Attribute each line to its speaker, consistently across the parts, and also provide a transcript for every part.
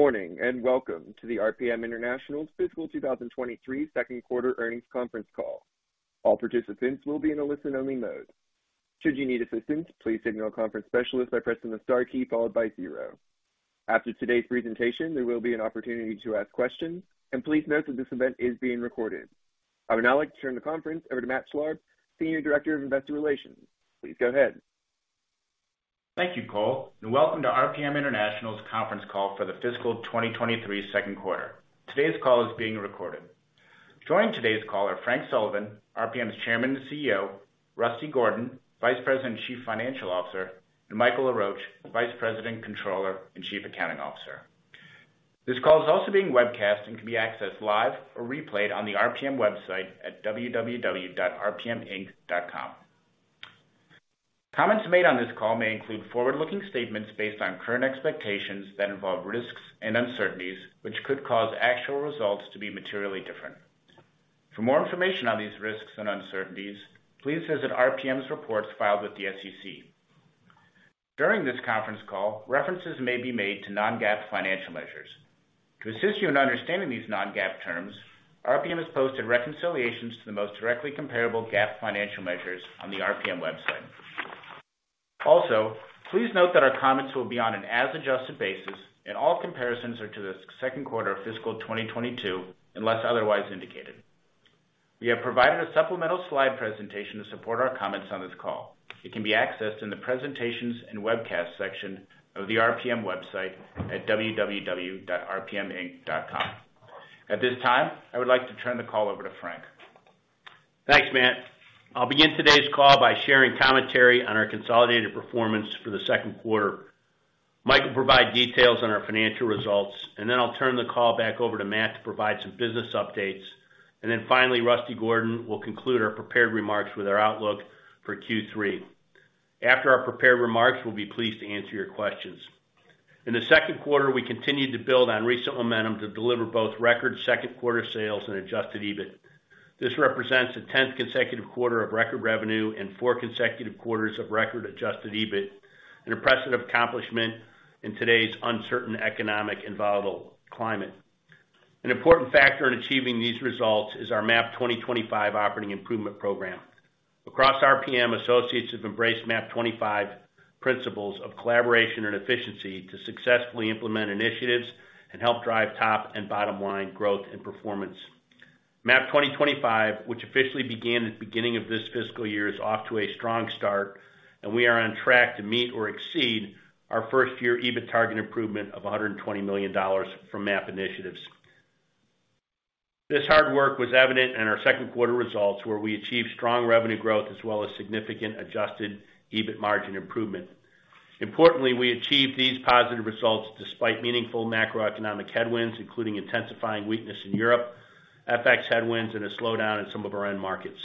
Speaker 1: Good morning, welcome to the RPM International's fiscal 2023 second quarter earnings conference call. All participants will be in a listen-only mode. Should you need assistance, please signal a conference specialist by pressing the star key followed by 0. After today's presentation, there will be an opportunity to ask questions. Please note that this event is being recorded. I would now like to turn the conference over to Matt Schlarb, Senior Director of Investor Relations. Please go ahead.
Speaker 2: Thank you, Cole, and welcome to RPM International's conference call for the fiscal 2023 second quarter. Today's call is being recorded. Joining today's call are Frank Sullivan, RPM's Chairman and CEO, Rusty Gordon, Vice President and Chief Financial Officer, and Michael Laroche, Vice President, Controller, and Chief Accounting Officer. This call is also being webcast and can be accessed live or replayed on the RPM website at www.rpminc.com. Comments made on this call may include forward-looking statements based on current expectations that involve risks and uncertainties, which could cause actual results to be materially different. For more information on these risks and uncertainties, please visit RPM's reports filed with the SEC. During this conference call, references may be made to non-GAAP financial measures. To assist you in understanding these non-GAAP terms, RPM has posted reconciliations to the most directly comparable GAAP financial measures on the RPM website. Also, please note that our comments will be on an as-adjusted basis, and all comparisons are to the second quarter of fiscal 2022, unless otherwise indicated. We have provided a supplemental slide presentation to support our comments on this call. It can be accessed in the Presentations and Webcast section of the RPM website at www.rpminc.com. At this time, I would like to turn the call over to Frank.
Speaker 3: Thanks, Matt. I'll begin today's call by sharing commentary on our consolidated performance for the second quarter. Mike will provide details on our financial results, and then I'll turn the call back over to Matt to provide some business updates. Finally, Rusty Gordon will conclude our prepared remarks with our outlook for Q3. After our prepared remarks, we'll be pleased to answer your questions. In the second quarter, we continued to build on recent momentum to deliver both record second quarter sales and adjusted EBIT. This represents the tenth consecutive quarter of record revenue and four consecutive quarters of record adjusted EBIT, an impressive accomplishment in today's uncertain economic and volatile climate. An important factor in achieving these results is our MAP 2025 operating improvement program. Across RPM, associates have embraced MAP 2025 principles of collaboration and efficiency to successfully implement initiatives and help drive top and bottom-line growth and performance. MAP 2025, which officially began at the beginning of this fiscal year, is off to a strong start, and we are on track to meet or exceed our first-year EBIT target improvement of $120 million from MAP initiatives. This hard work was evident in our second quarter results, where we achieved strong revenue growth as well as significant adjusted EBIT margin improvement. Importantly, we achieved these positive results despite meaningful macroeconomic headwinds, including intensifying weakness in Europe, FX headwinds, and a slowdown in some of our end markets.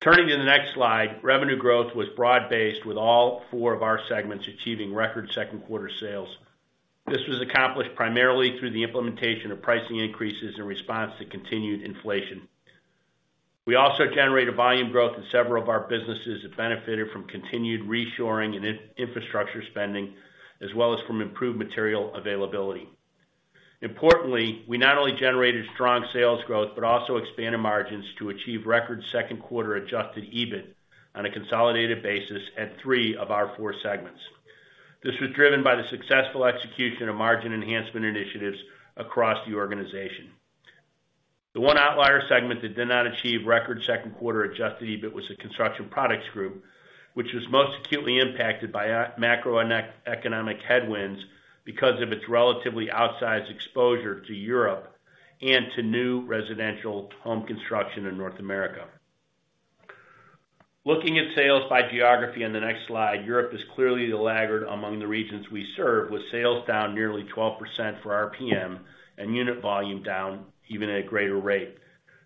Speaker 3: Turning to the next slide, revenue growth was broad-based, with all four of our segments achieving record second quarter sales. This was accomplished primarily through the implementation of pricing increases in response to continued inflation. We also generated volume growth in several of our businesses that benefited from continued reshoring and infrastructure spending, as well as from improved material availability. Importantly, we not only generated strong sales growth, but also expanded margins to achieve record second quarter adjusted EBIT on a consolidated basis at three of our four segments. This was driven by the successful execution of margin enhancement initiatives across the organization. The one outlier segment that did not achieve record second quarter adjusted EBIT was the Construction Products Group, which was most acutely impacted by macro and economic headwinds because of its relatively outsized exposure to Europe and to new residential home construction in North America. Looking at sales by geography on the next slide, Europe is clearly the laggard among the regions we serve, with sales down nearly 12% for RPM and unit volume down even at a greater rate.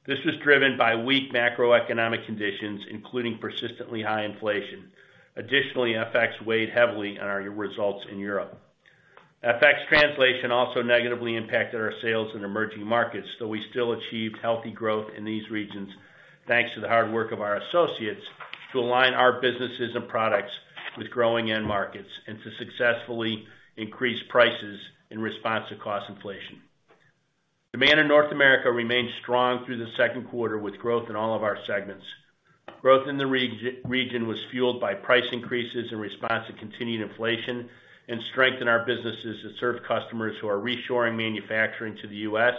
Speaker 3: This was driven by weak macroeconomic conditions, including persistently high inflation. FX weighed heavily on our results in Europe. FX translation also negatively impacted our sales in emerging markets, though we still achieved healthy growth in these regions thanks to the hard work of our associates to align our businesses and products with growing end markets and to successfully increase prices in response to cost inflation. Demand in North America remained strong through the second quarter, with growth in all of our segments. Growth in the region was fueled by price increases in response to continued inflation and strength in our businesses that serve customers who are reshoring manufacturing to the U.S.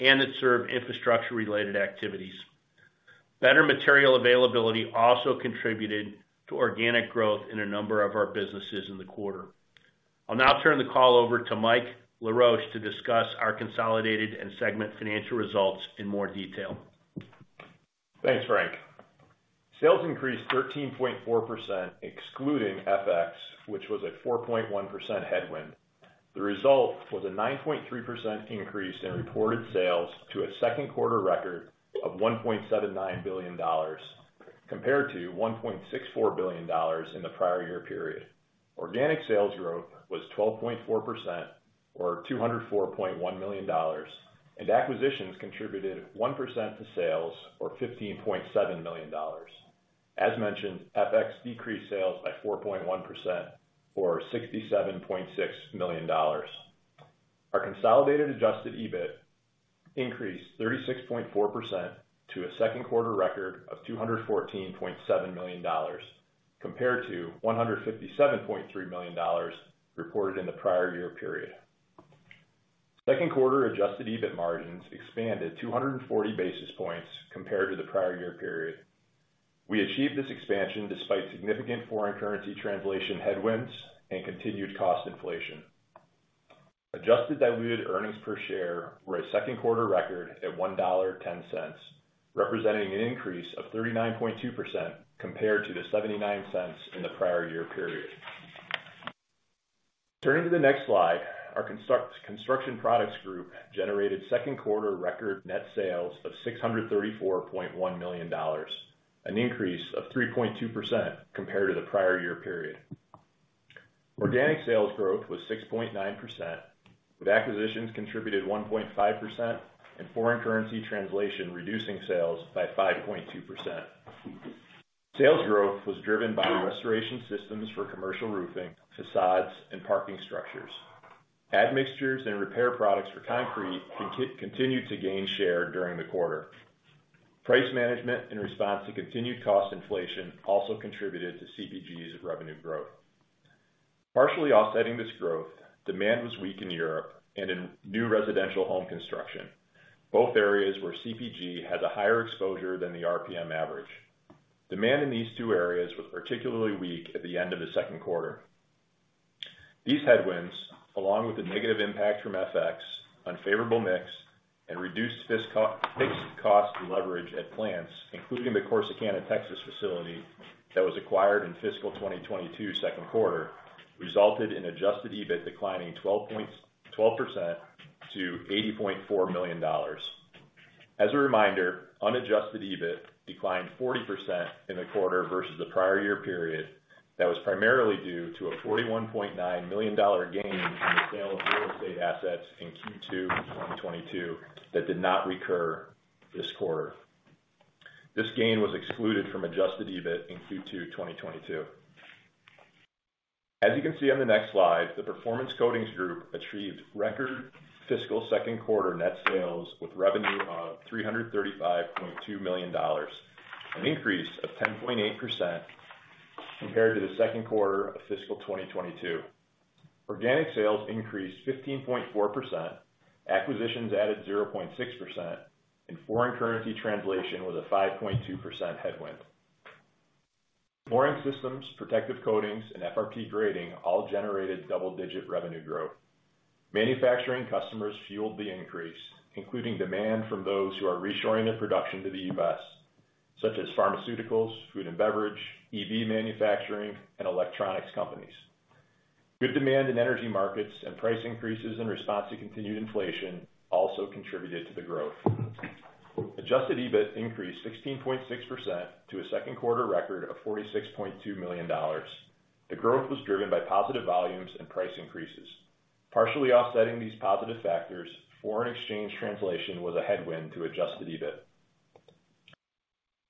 Speaker 3: and that serve infrastructure-related activities. Better material availability also contributed to organic growth in a number of our businesses in the quarter. I'll now turn the call over to Mike Laroche to discuss our consolidated and segment financial results in more detail.
Speaker 4: Thanks, Frank. Sales increased 13.4%, excluding FX, which was a 4.1% headwind. The result was a 9.3% increase in reported sales to a second quarter record of $1.79 billion, compared to $1.64 billion in the prior year period. Organic sales growth was 12.4% or $204.1 million, and acquisitions contributed 1% to sales or $15.7 million. As mentioned, FX decreased sales by 4.1% or $67.6 million. Our consolidated adjusted EBIT increased 36.4% to a second quarter record of $214.7 million compared to $157.3 million reported in the prior year period. Second quarter adjusted EBIT margins expanded 240 basis points compared to the prior year period. We achieved this expansion despite significant foreign currency translation headwinds and continued cost inflation. Adjusted diluted earnings per share were a second quarter record at $1.10, representing an increase of 39.2% compared to the $0.79 in the prior year period. Turning to the next slide, our Construction Products Group generated second quarter record net sales of $634.1 million, an increase of 3.2% compared to the prior year period. Organic sales growth was 6.9%, with acquisitions contributed 1.5%, and foreign currency translation reducing sales by 5.2%. Sales growth was driven by restoration systems for commercial roofing, facades, and parking structures. Admixtures and repair products for concrete continued to gain share during the quarter. Price management in response to continued cost inflation also contributed to CPG's revenue growth. Partially offsetting this growth, demand was weak in Europe and in new residential home construction, both areas where CPG has a higher exposure than the RPM average. Demand in these two areas was particularly weak at the end of the second quarter. These headwinds, along with the negative impact from FX, unfavorable mix, and reduced fixed cost leverage at plants, including the Corsicana, Texas facility that was acquired in fiscal 2022 second quarter, resulted in adjusted EBIT declining 12% to $80.4 million. As a reminder, unadjusted EBIT declined 40% in the quarter versus the prior year period that was primarily due to a $41.9 million gain from the sale of real estate assets in Q2 2022 that did not recur this quarter. This gain was excluded from adjusted EBIT in Q2 2022. As you can see on the next slide, the Performance Coatings Group achieved record fiscal second quarter net sales with revenue of $335.2 million, an increase of 10.8% compared to the second quarter of fiscal 2022. Organic sales increased 15.4%, acquisitions added 0.6%, Foreign currency translation was a 5.2% headwind. Flooring systems, protective coatings, and FRP grating all generated double-digit revenue growth. Manufacturing customers fueled the increase, including demand from those who are reshoring their production to the U.S., such as pharmaceuticals, food and beverage, EV manufacturing, and electronics companies. Good demand in energy markets and price increases in response to continued inflation also contributed to the growth. Adjusted EBIT increased 16.6% to a second quarter record of $46.2 million. The growth was driven by positive volumes and price increases. Partially offsetting these positive factors, foreign exchange translation was a headwind to adjusted EBIT.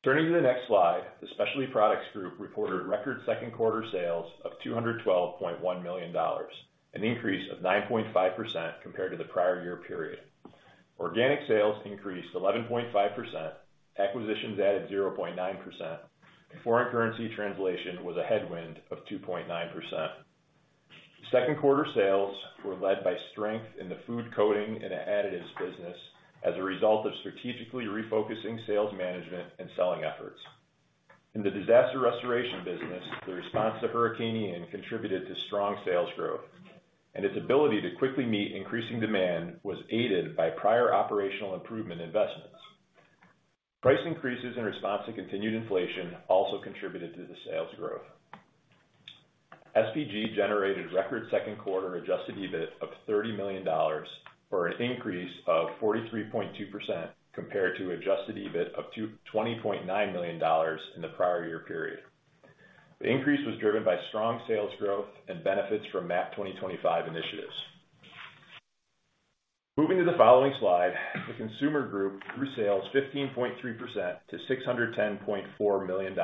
Speaker 4: Turning to the next slide, the Specialty Products Group reported record second quarter sales of $212.1 million, an increase of 9.5% compared to the prior year period. Organic sales increased 11.5%, acquisitions added 0.9%, and foreign currency translation was a headwind of 2.9%. Second quarter sales were led by strength in the food coating and additives business as a result of strategically refocusing sales management and selling efforts. In the disaster restoration business, the response to Hurricane Ian contributed to strong sales growth, and its ability to quickly meet increasing demand was aided by prior operational improvement investments. Price increases in response to continued inflation also contributed to the sales growth. SPG generated record second quarter adjusted EBIT of $30 million, or an increase of 43.2% compared to adjusted EBIT of $20.9 million in the prior year period. The increase was driven by strong sales growth and benefits from MAP 2025 initiatives. Moving to the following slide, the Consumer Group grew sales 15.3% to $610.4 million,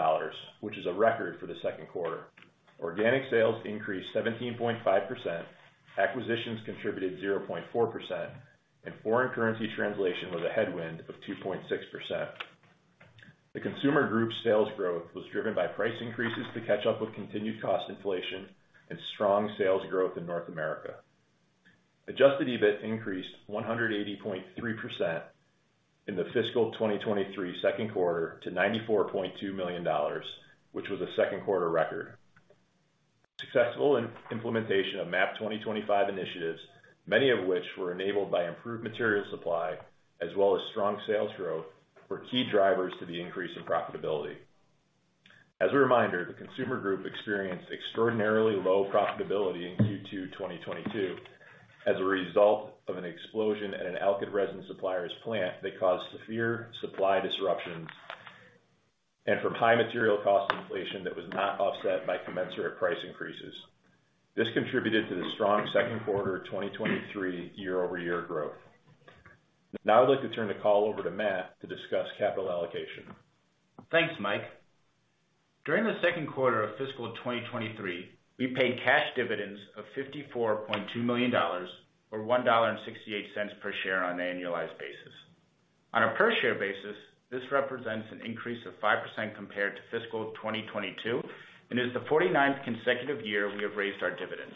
Speaker 4: which is a record for the second quarter. Organic sales increased 17.5%, acquisitions contributed 0.4%, and foreign currency translation was a headwind of 2.6%. The Consumer Group's sales growth was driven by price increases to catch up with continued cost inflation and strong sales growth in North America. Adjusted EBIT increased 180.3% in the fiscal 2023 second quarter to $94.2 million, which was a second quarter record. Successful implementation of MAP 2025 initiatives, many of which were enabled by improved material supply as well as strong sales growth, were key drivers to the increase in profitability. As a reminder, the Consumer Group experienced extraordinarily low profitability in Q2 2022 as a result of an explosion at an alkyd resin supplier's plant that caused severe supply disruptions and from high material cost inflation that was not offset by commensurate price increases. This contributed to the strong second quarter of 2023 year-over-year growth. I'd like to turn the call over to Matt to discuss capital allocation.
Speaker 2: Thanks, Mike. During the second quarter of fiscal 2023, we paid cash dividends of $54.2 million, or $1.68 per share on an annualized basis. On a per share basis, this represents an increase of 5% compared to fiscal 2022 and is the 49th consecutive year we have raised our dividend.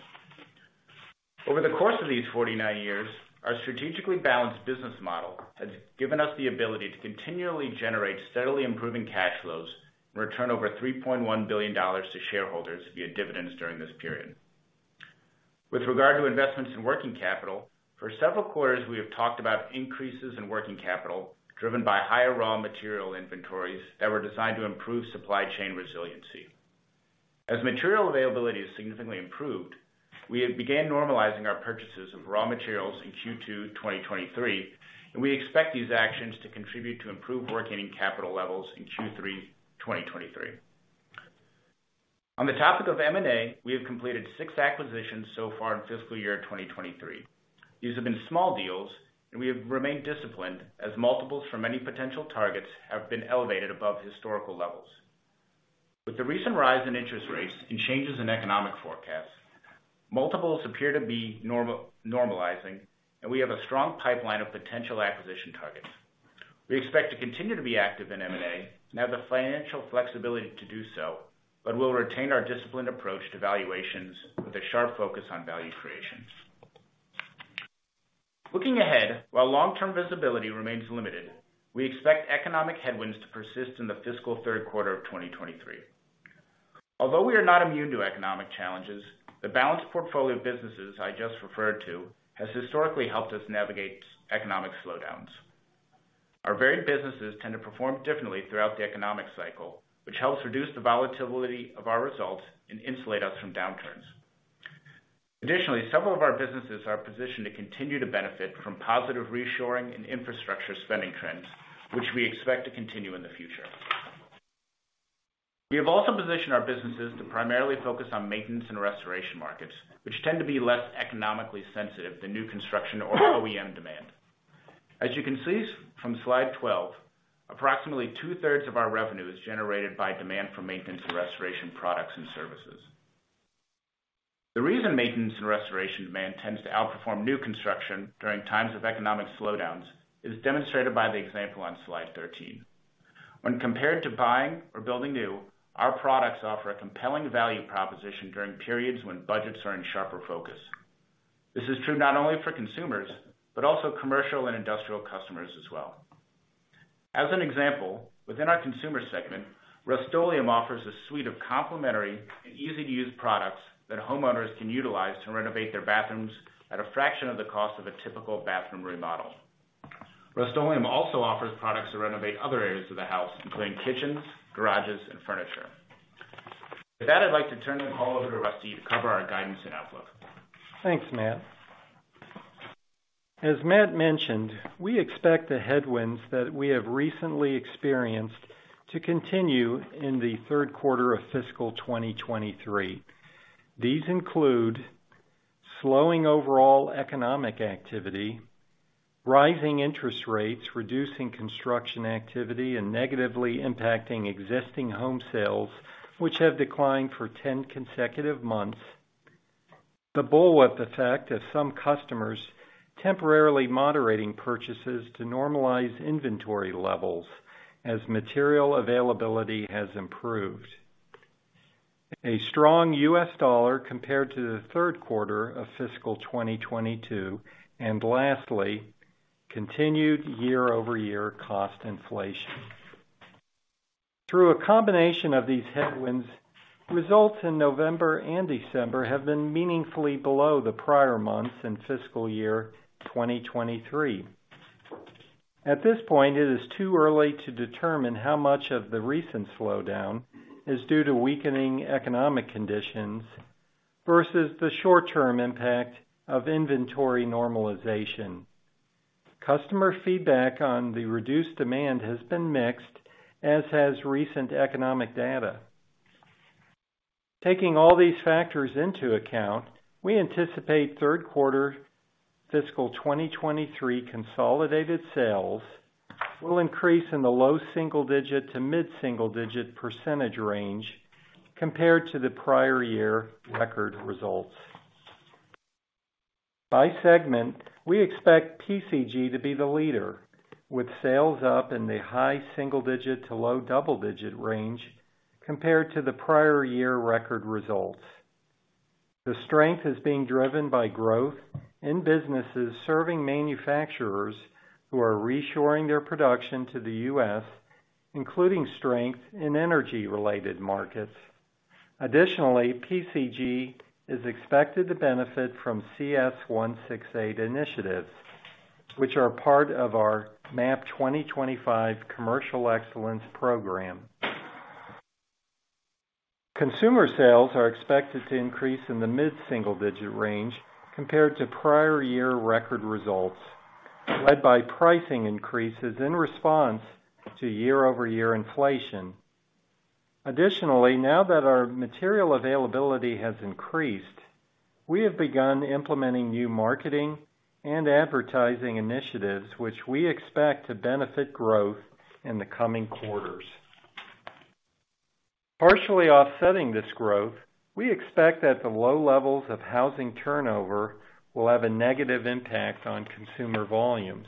Speaker 2: Over the course of these 49 years, our strategically balanced business model has given us the ability to continually generate steadily improving cash flows and return over $3.1 billion to shareholders via dividends during this period. With regard to investments in working capital, for several quarters, we have talked about increases in working capital driven by higher raw material inventories that were designed to improve supply chain resiliency. As material availability has significantly improved, we have began normalizing our purchases of raw materials in Q2 2023. We expect these actions to contribute to improved working capital levels in Q3 2023. On the topic of M&A, we have completed six acquisitions so far in fiscal year 2023. These have been small deals and we have remained disciplined as multiples for many potential targets have been elevated above historical levels. With the recent rise in interest rates and changes in economic forecasts, multiples appear to be normalizing and we have a strong pipeline of potential acquisition targets. We expect to continue to be active in M&A and have the financial flexibility to do so. We'll retain our disciplined approach to valuations with a sharp focus on value creation. Looking ahead, while long-term visibility remains limited, we expect economic headwinds to persist in the fiscal third quarter of 2023. Although we are not immune to economic challenges, the balanced portfolio of businesses I just referred to has historically helped us navigate economic slowdowns. Our varied businesses tend to perform differently throughout the economic cycle, which helps reduce the volatility of our results and insulate us from downturns. Several of our businesses are positioned to continue to benefit from positive reshoring and infrastructure spending trends, which we expect to continue in the future. We have also positioned our businesses to primarily focus on maintenance and restoration markets, which tend to be less economically sensitive than new construction or OEM demand. As you can see from slide 12, approximately 2/3 of our revenue is generated by demand for maintenance and restoration products and services. The reason maintenance and restoration demand tends to outperform new construction during times of economic slowdowns is demonstrated by the example on slide 13. When compared to buying or building new, our products offer a compelling value proposition during periods when budgets are in sharper focus. This is true not only for consumers, but also commercial and industrial customers as well. As an example, within our Consumer Group, Rust-Oleum offers a suite of complementary and easy-to-use products that homeowners can utilize to renovate their bathrooms at a fraction of the cost of a typical bathroom remodel. Rust-Oleum also offers products to renovate other areas of the house, including kitchens, garages, and furniture. With that, I'd like to turn the call over to Rusty to cover our guidance and outlook.
Speaker 5: Thanks, Matt. As Matt mentioned, we expect the headwinds that we have recently experienced to continue in the third quarter of fiscal 2023. These include slowing overall economic activity, rising interest rates, reducing construction activity, and negatively impacting existing home sales, which have declined for 10 consecutive months. The bullwhip effect has some customers temporarily moderating purchases to normalize inventory levels as material availability has improved. A strong US dollar compared to the third quarter of fiscal 2022, and lastly, continued year-over-year cost inflation. Through a combination of these headwinds, results in November and December have been meaningfully below the prior months in fiscal year 2023. At this point, it is too early to determine how much of the recent slowdown is due to weakening economic conditions versus the short-term impact of inventory normalization. Customer feedback on the reduced demand has been mixed, as has recent economic data. Taking all these factors into account, we anticipate third quarter fiscal 2023 consolidated sales will increase in the low single-digit to mid single-digit % range compared to the prior year record results. By segment, we expect PCG to be the leader, with sales up in the high single-digit % to low double-digit % range compared to the prior year record results. The strength is being driven by growth in businesses serving manufacturers who are reshoring their production to the U.S., including strength in energy-related markets. Additionally, PCG is expected to benefit from CS168 initiatives, which are a part of our MAP 2025 commercial excellence program. Consumer sales are expected to increase in the mid-single digit range compared to prior year record results, led by pricing increases in response to year-over-year inflation. Additionally, now that our material availability has increased, we have begun implementing new marketing and advertising initiatives, which we expect to benefit growth in the coming quarters. Partially offsetting this growth, we expect that the low levels of housing turnover will have a negative impact on consumer volumes.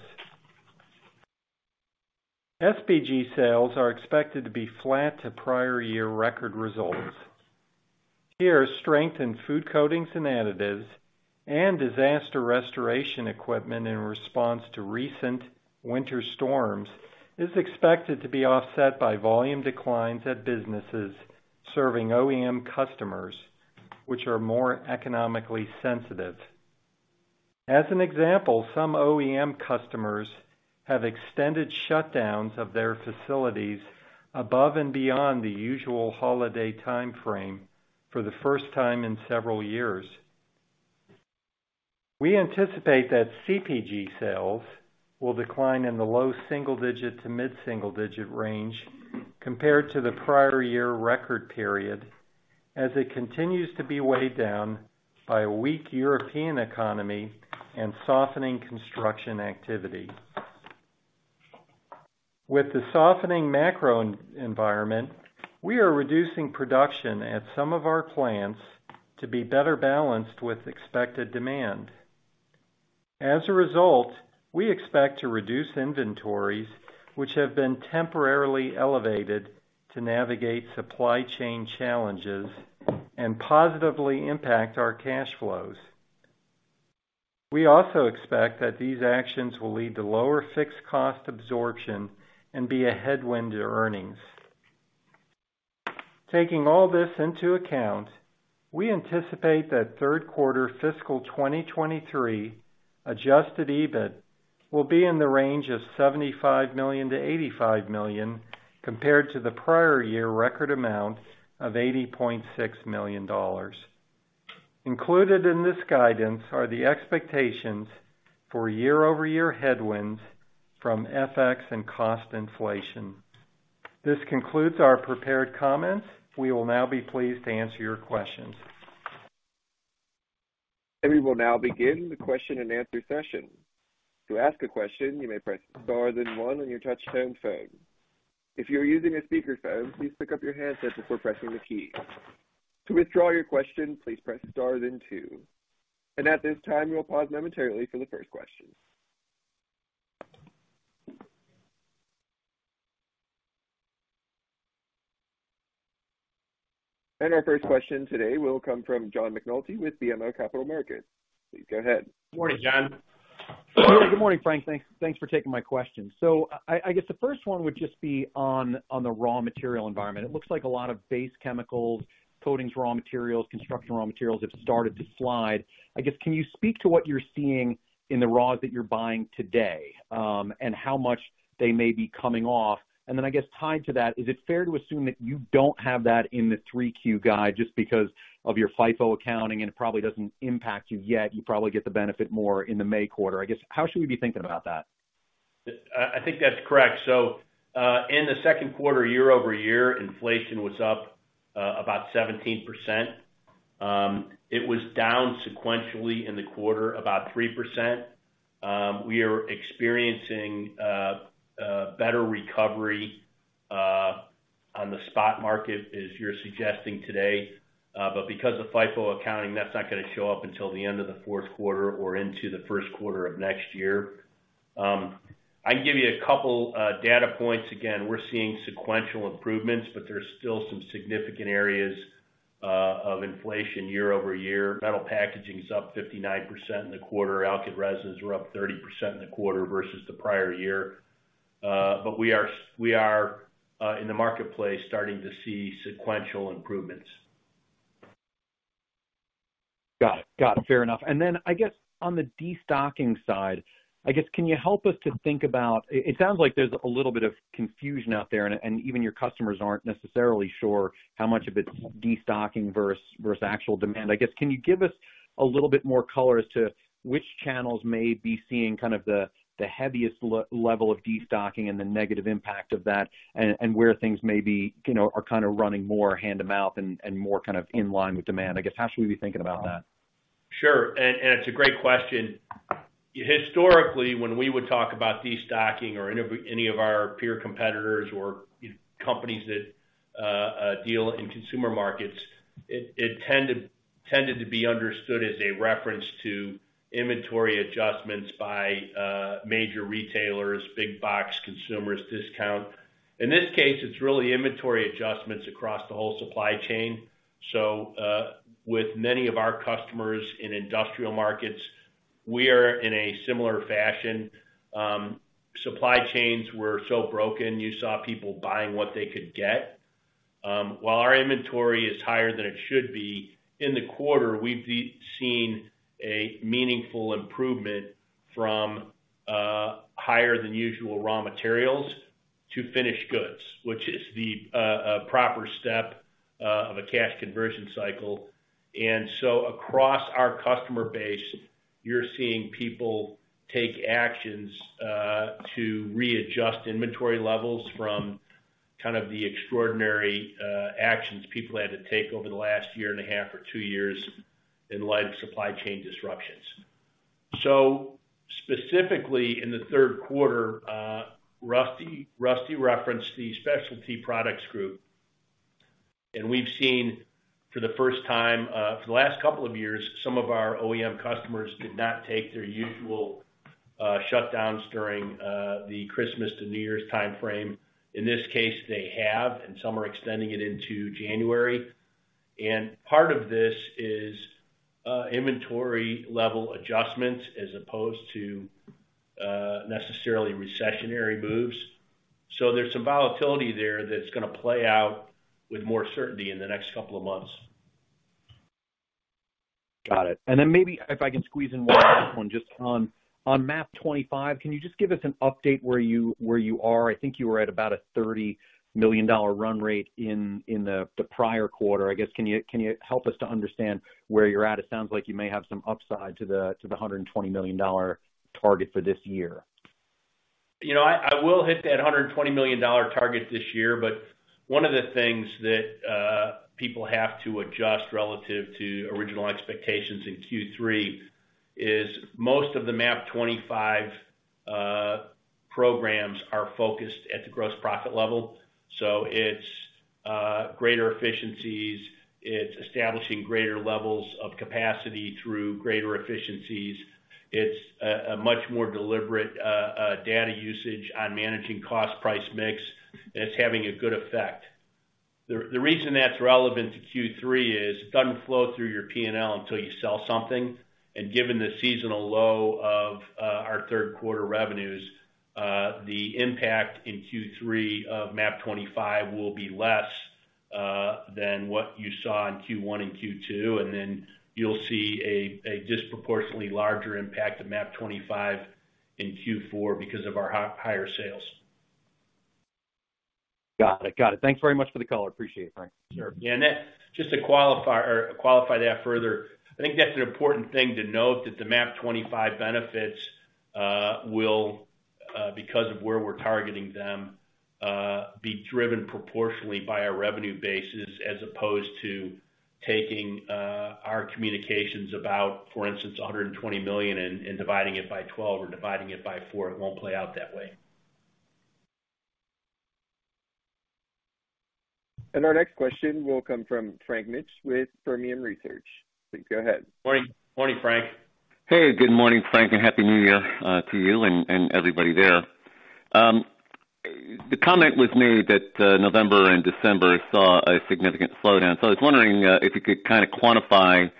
Speaker 5: SPG sales are expected to be flat to prior year record results. Here, strength in food coatings and additives and disaster restoration equipment in response to recent winter storms is expected to be offset by volume declines at businesses serving OEM customers, which are more economically sensitive. As an example, some OEM customers have extended shutdowns of their facilities above and beyond the usual holiday timeframe for the first time in several years. We anticipate that CPG sales will decline in the low single-digit to mid-single-digit range compared to the prior year record period, as it continues to be weighed down by a weak European economy and softening construction activity. With the softening macro environment, we are reducing production at some of our plants to be better balanced with expected demand. As a result, we expect to reduce inventories, which have been temporarily elevated to navigate supply chain challenges and positively impact our cash flows. We also expect that these actions will lead to lower fixed cost absorption and be a headwind to earnings. Taking all this into account, we anticipate that third quarter fiscal 2023 adjusted EBIT will be in the range of $75 million-$85 million, compared to the prior year record amount of $80.6 million. Included in this guidance are the expectations for year-over-year headwinds from FX and cost inflation. This concludes our prepared comments. We will now be pleased to answer your questions.
Speaker 1: We will now begin the question and answer session. To ask a question, you may press star then one on your touchtone phone. If you're using a speaker phone, please pick up your handset before pressing the key. To withdraw your question, please press star then two. At this time, we'll pause momentarily for the first question. Our first question today will come from John McNulty with BMO Capital Markets. Please go ahead.
Speaker 3: Good morning, John.
Speaker 6: Good morning, Frank. Thanks for taking my question. I guess the first one would just be on the raw material environment. It looks like a lot of base chemicals, coatings raw materials, construction raw materials have started to slide. I guess, can you speak to what you're seeing in the raws that you're buying today, and how much they may be coming off? I guess tied to that, is it fair to assume that you don't have that in the 3Q guide just because of your FIFO accounting, and it probably doesn't impact you yet. You probably get the benefit more in the May quarter. I guess, how should we be thinking about that?
Speaker 3: I think that's correct. In the second quarter, year-over-year, inflation was up about 17%. It was down sequentially in the quarter about 3%. We are experiencing better recovery on the spot market, as you're suggesting today. Because of FIFO accounting, that's not gonna show up until the end of the fourth quarter or into the first quarter of next year. I can give you a couple data points. Again, we're seeing sequential improvements, but there's still some significant areas of inflation year-over-year. Metal packaging is up 59% in the quarter. Alkyd resins were up 30% in the quarter versus the prior year. But we are in the marketplace starting to see sequential improvements.
Speaker 6: Got it. Got it. Fair enough. I guess on the destocking side, can you help us to think about? It sounds like there's a little bit of confusion out there, and even your customers aren't necessarily sure how much of it's destocking versus actual demand. I guess, can you give us a little bit more color as to which channels may be seeing kind of the heaviest level of destocking and the negative impact of that, and where things may be, you know, are kind of running more hand to mouth and more kind of in line with demand? I guess, how should we be thinking about that?
Speaker 3: Sure. It's a great question. Historically, when we would talk about destocking or any of our peer competitors or companies that deal in consumer markets, it tended to be understood as a reference to inventory adjustments by major retailers, big box consumers, discount. In this case, it's really inventory adjustments across the whole supply chain. With many of our customers in industrial markets, we are in a similar fashion. Supply chains were so broken, you saw people buying what they could get. While our inventory is higher than it should be, in the quarter, we've seen a meaningful improvement from higher than usual raw materials to finished goods, which is the proper step. Of a cash conversion cycle. Across our customer base, you're seeing people take actions to readjust inventory levels from kind of the extraordinary actions people had to take over the last one and a half or two years in light of supply chain disruptions. Specifically in the third quarter, Rusty referenced the Specialty Products Group, and we've seen for the first time, for the last couple of years, some of our OEM customers did not take their usual shutdowns during the Christmas to New Year's timeframe. In this case, they have, and some are extending it into January. Part of this is inventory level adjustments as opposed to necessarily recessionary moves. There's some volatility there that's gonna play out with more certainty in the next couple of months.
Speaker 6: Got it. Maybe if I can squeeze in one last one just on MAP 25. Can you just give us an update where you are? I think you were at about a $30 million run rate in the prior quarter. Can you help us to understand where you're at? It sounds like you may have some upside to the $120 million target for this year.
Speaker 3: You know, I will hit that $120 million target this year. One of the things that people have to adjust relative to original expectations in Q3 is most of the MAP 25 programs are focused at the gross profit level. It's greater efficiencies. It's establishing greater levels of capacity through greater efficiencies. It's a much more deliberate data usage on managing cost price mix, and it's having a good effect. The reason that's relevant to Q3 is it doesn't flow through your P&L until you sell something. Given the seasonal low of our third quarter revenues, the impact in Q3 of MAP 25 will be less than what you saw in Q1 and Q2. You'll see a disproportionately larger impact of MAP 25 in Q4 because of our higher sales.
Speaker 6: Got it. Thanks very much for the color. Appreciate it, Frank.
Speaker 3: Sure. Yeah. Just to qualify that further, I think that's an important thing to note that the MAP 25 benefits will because of where we're targeting them be driven proportionally by our revenue basis as opposed to taking our communications about, for instance, $120 million and dividing it by 12 or dividing it by 4. It won't play out that way.
Speaker 1: Our next question will come from Frank Mitsch with Fermium Research. Please go ahead.
Speaker 3: Morning, Frank.
Speaker 7: Good morning, Frank, and happy New Year to you and everybody there. The comment was made that November and December saw a significant slowdown. I was wondering if you could kind of quantify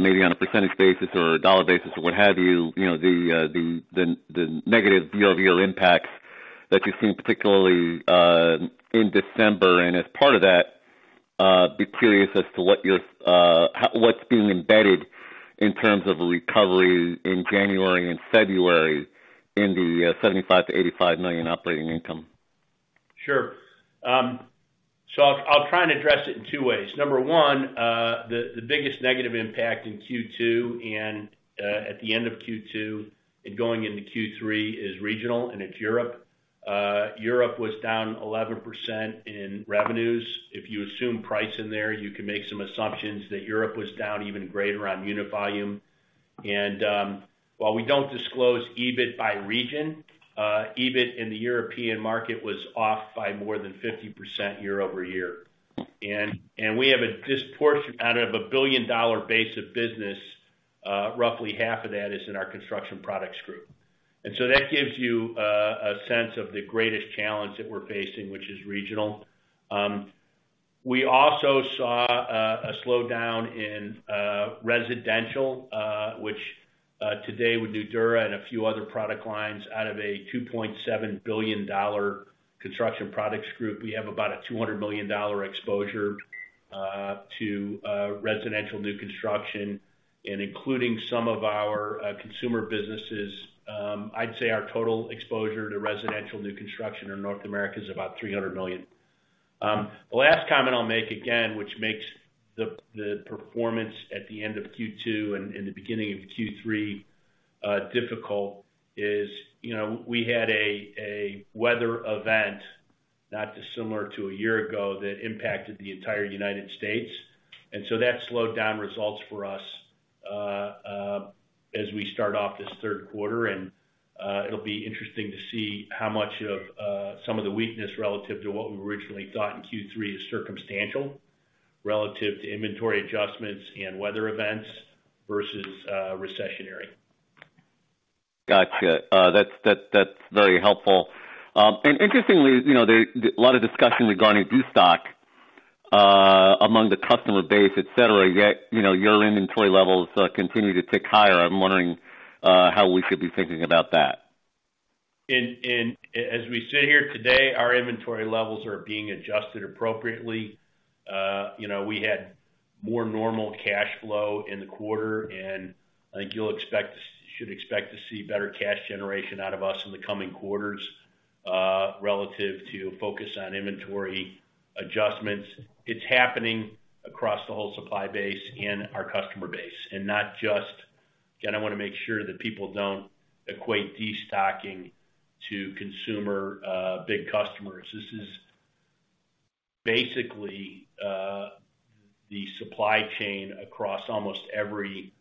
Speaker 7: maybe on a percentage basis or a dollar basis or what have you know, the negative year-over-year impacts that you've seen particularly in December. As part of that, be curious as to what you're what's being embedded in terms of recovery in January and February in the $75 million-$85 million operating income.
Speaker 3: Sure. I'll try and address it in two ways. Number one, the biggest negative impact in Q2 and at the end of Q2 and going into Q3 is regional, and it's Europe. Europe was down 11% in revenues. If you assume price in there, you can make some assumptions that Europe was down even greater on unit volume. While we don't disclose EBIT by region, EBIT in the European market was off by more than 50% year-over-year. We have out of a $1 billion base of business, roughly half of that is in our Construction Products Group. That gives you a sense of the greatest challenge that we're facing, which is regional. We also saw a slowdown in residential, which today with Nudura and a few other product lines out of a $2.7 billion Construction Products Group. We have about a $200 million exposure to residential new construction and including some of our consumer businesses. I'd say our total exposure to residential new construction in North America is about $300 million. The last comment I'll make again, which makes the performance at the end of Q2 and the beginning of Q3 difficult is, you know, we had a weather event not dissimilar to a year ago that impacted the entire United States. So that slowed down results for us as we start off this third quarter. It'll be interesting to see how much of some of the weakness relative to what we originally thought in Q3 is circumstantial relative to inventory adjustments and weather events versus recessionary.
Speaker 7: Gotcha. That's very helpful. Interestingly, you know, a lot of discussion regarding destock among the customer base, et cetera, yet, you know, your inventory levels continue to tick higher. I'm wondering how we should be thinking about that.
Speaker 4: As we sit here today, our inventory levels are being adjusted appropriately. you know, we had more normal cash flow in the quarter, and I think you'll should expect to see better cash generation out of us in the coming quarters. Relative to focus on inventory adjustments, it's happening across the whole supply base and our customer base, and not just... Again, I wanna make sure that people don't equate destocking to consumer big customers. This is basically the supply chain across almost every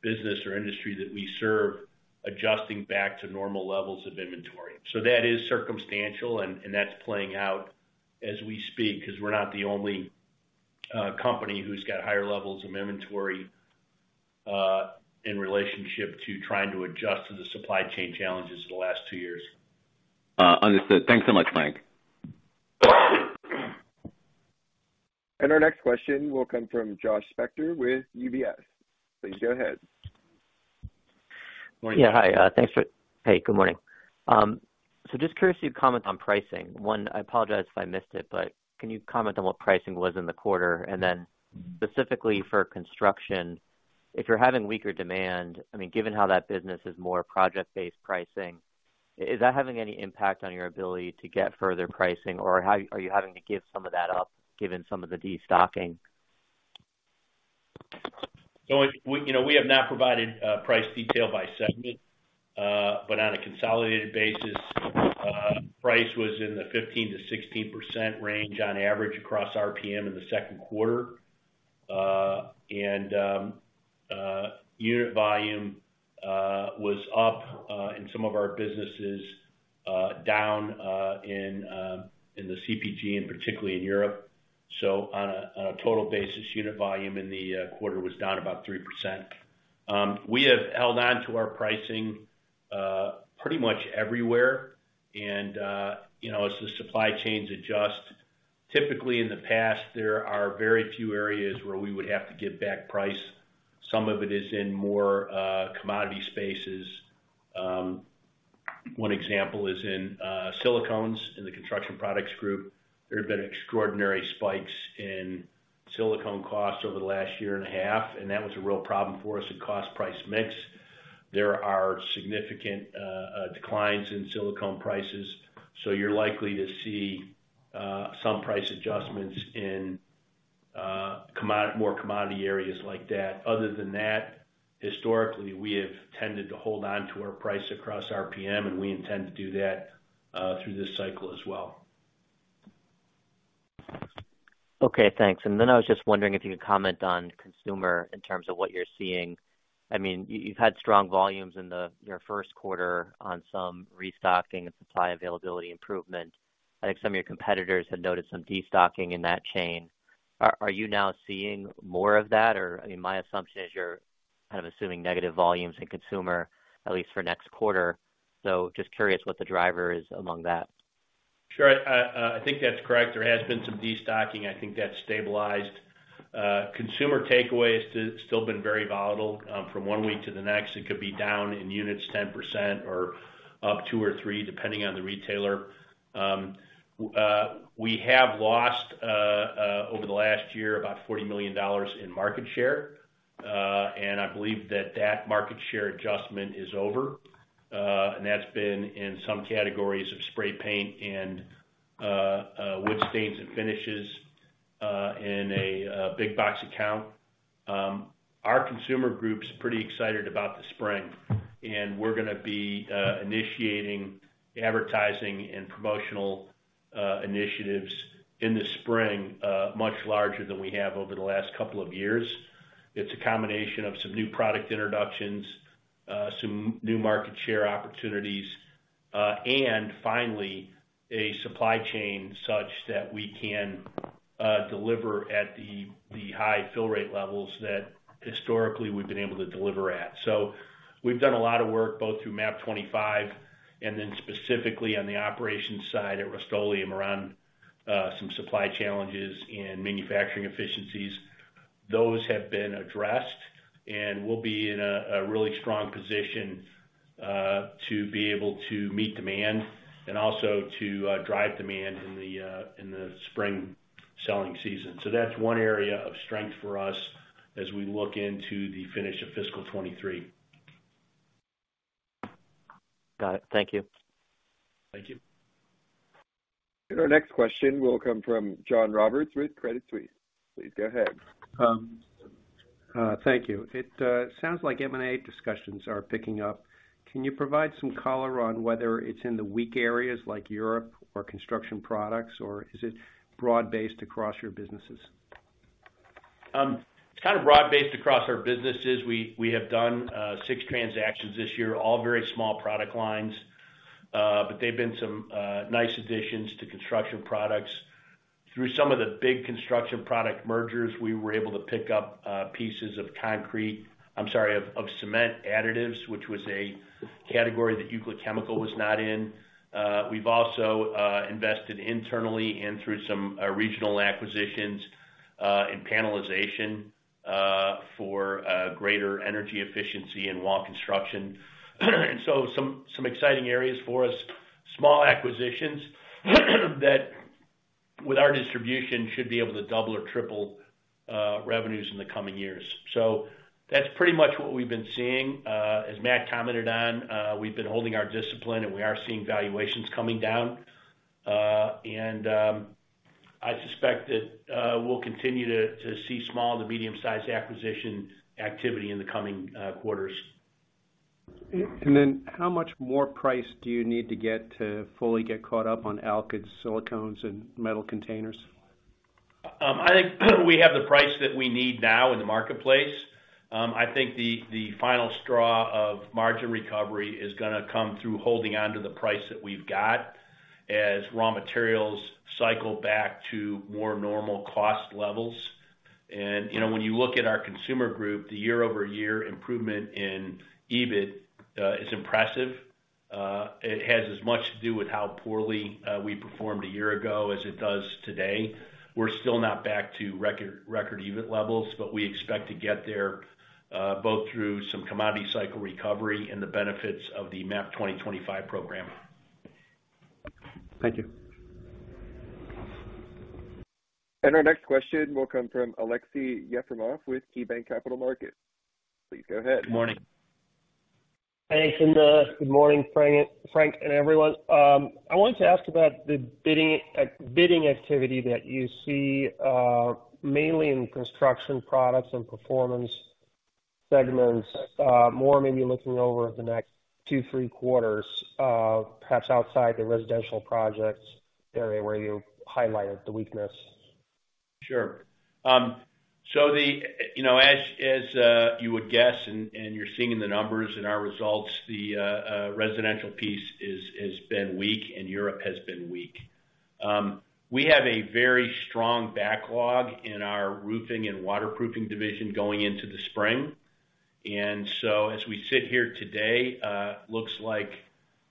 Speaker 4: business or industry that we serve, adjusting back to normal levels of inventory. So that is circumstantial, and that's playing out as we speak, 'cause we're not the only company who's got higher levels of inventory in relationship to trying to adjust to the supply chain challenges for the last 2 years.
Speaker 7: understood. Thanks so much, Mike.
Speaker 1: Our next question will come from Josh Spector with UBS. Please go ahead.
Speaker 3: Morning.
Speaker 8: Yeah. Hi. Hey, good morning. Just curious, your comment on pricing. One, I apologize if I missed it, but can you comment on what pricing was in the quarter? Specifically for Construction, if you're having weaker demand, I mean, given how that business is more project-based pricing, is that having any impact on your ability to get further pricing? Or are you having to give some of that up given some of the destocking?
Speaker 3: You know, we have not provided price detail by segment. On a consolidated basis, price was in the 15%-16% range on average across RPM in the second quarter. Unit volume was up in some of our businesses, down in the CPG, and particularly in Europe. On a total basis unit volume in the quarter was down about 3%. We have held on to our pricing pretty much everywhere. You know, as the supply chains adjust, typically in the past there are very few areas where we would have to give back price. Some of it is in more commodity spaces. One example is in silicones in the Construction Products Group. There have been extraordinary spikes in silicone costs over the last year and a half. That was a real problem for us in cost-price mix. There are significant declines in silicone prices. You're likely to see some price adjustments in more commodity areas like that. Other than that, historically, we have tended to hold onto our price across RPM. We intend to do that through this cycle as well.
Speaker 8: Okay, thanks. I was just wondering if you could comment on Consumer in terms of what you're seeing. I mean, you've had strong volumes in your first quarter on some restocking and supply availability improvement. I think some of your competitors have noted some destocking in that chain. Are you now seeing more of that? I mean, my assumption is you're kind of assuming negative volumes in Consumer, at least for next quarter. Just curious what the driver is among that.
Speaker 3: Sure. I think that's correct. There has been some destocking. I think that's stabilized. Consumer takeaway has still been very volatile from one week to the next. It could be down in units 10% or up 2 or 3, depending on the retailer. We have lost over the last year about $40 million in market share. I believe that that market share adjustment is over. That's been in some categories of spray paint and wood stains and finishes in a big box account. Our Consumer Group's pretty excited about the spring, and we're gonna be initiating advertising and promotional initiatives in the spring much larger than we have over the last couple of years. It's a combination of some new product introductions, some new market share opportunities, and finally a supply chain such that we can deliver at the high fill rate levels that historically we've been able to deliver at. We've done a lot of work both through MAP 25 and then specifically on the operations side at Rust-Oleum around some supply challenges and manufacturing efficiencies. Those have been addressed, and we'll be in a really strong position to be able to meet demand and also to drive demand in the spring selling season. That's one area of strength for us as we look into the finish of fiscal 23.
Speaker 8: Got it. Thank you.
Speaker 3: Thank you.
Speaker 1: Our next question will come from John Roberts with Credit Suisse. Please go ahead.
Speaker 9: Thank you. It sounds like M&A discussions are picking up. Can you provide some color on whether it's in the weak areas like Europe or Construction Products, or is it broad-based across your businesses?
Speaker 3: It's kind of broad-based across our businesses. We have done 6 transactions this year, all very small product lines. They've been some nice additions to Construction Products. Through some of the big Construction Product mergers, we were able to pick up pieces of cement additives, which was a category that Euclid Chemical was not in. We've also invested internally and through some regional acquisitions in panelization for greater energy efficiency and wall construction. Some exciting areas for us. Small acquisitions that with our distribution should be able to double or triple revenues in the coming years. That's pretty much what we've been seeing. As Matt commented on, we've been holding our discipline, and we are seeing valuations coming down. I suspect that we'll continue to see small to medium-sized acquisition activity in the coming quarters.
Speaker 9: Then how much more price do you need to get to fully get caught up on alkyds, silicones and metal containers?
Speaker 3: I think we have the price that we need now in the marketplace. I think the final straw of margin recovery is gonna come through holding onto the price that we've got as raw materials cycle back to more normal cost levels. You know, when you look at our Consumer Group, the year-over-year improvement in EBIT is impressive. It has as much to do with how poorly we performed a year ago as it does today. We're still not back to record EBIT levels, but we expect to get there both through some commodity cycle recovery and the benefits of the MAP 2025 program.
Speaker 9: Thank you.
Speaker 1: Our next question will come from Aleksey Yefremov with KeyBanc Capital Markets. Please go ahead.
Speaker 10: Good morning. Thanks, good morning, Frank and everyone. I wanted to ask about the bidding activity that you see mainly in Construction Products and Performance segments, more maybe looking over the next 2, 3 quarters, perhaps outside the residential projects area where you highlighted the weakness.
Speaker 3: Sure. So the... You know, as, you would guess and you're seeing in the numbers in our results, the, residential piece is, has been weak and Europe has been weak. We have a very strong backlog in our roofing and waterproofing division going into the spring. And so as we sit here today, looks like,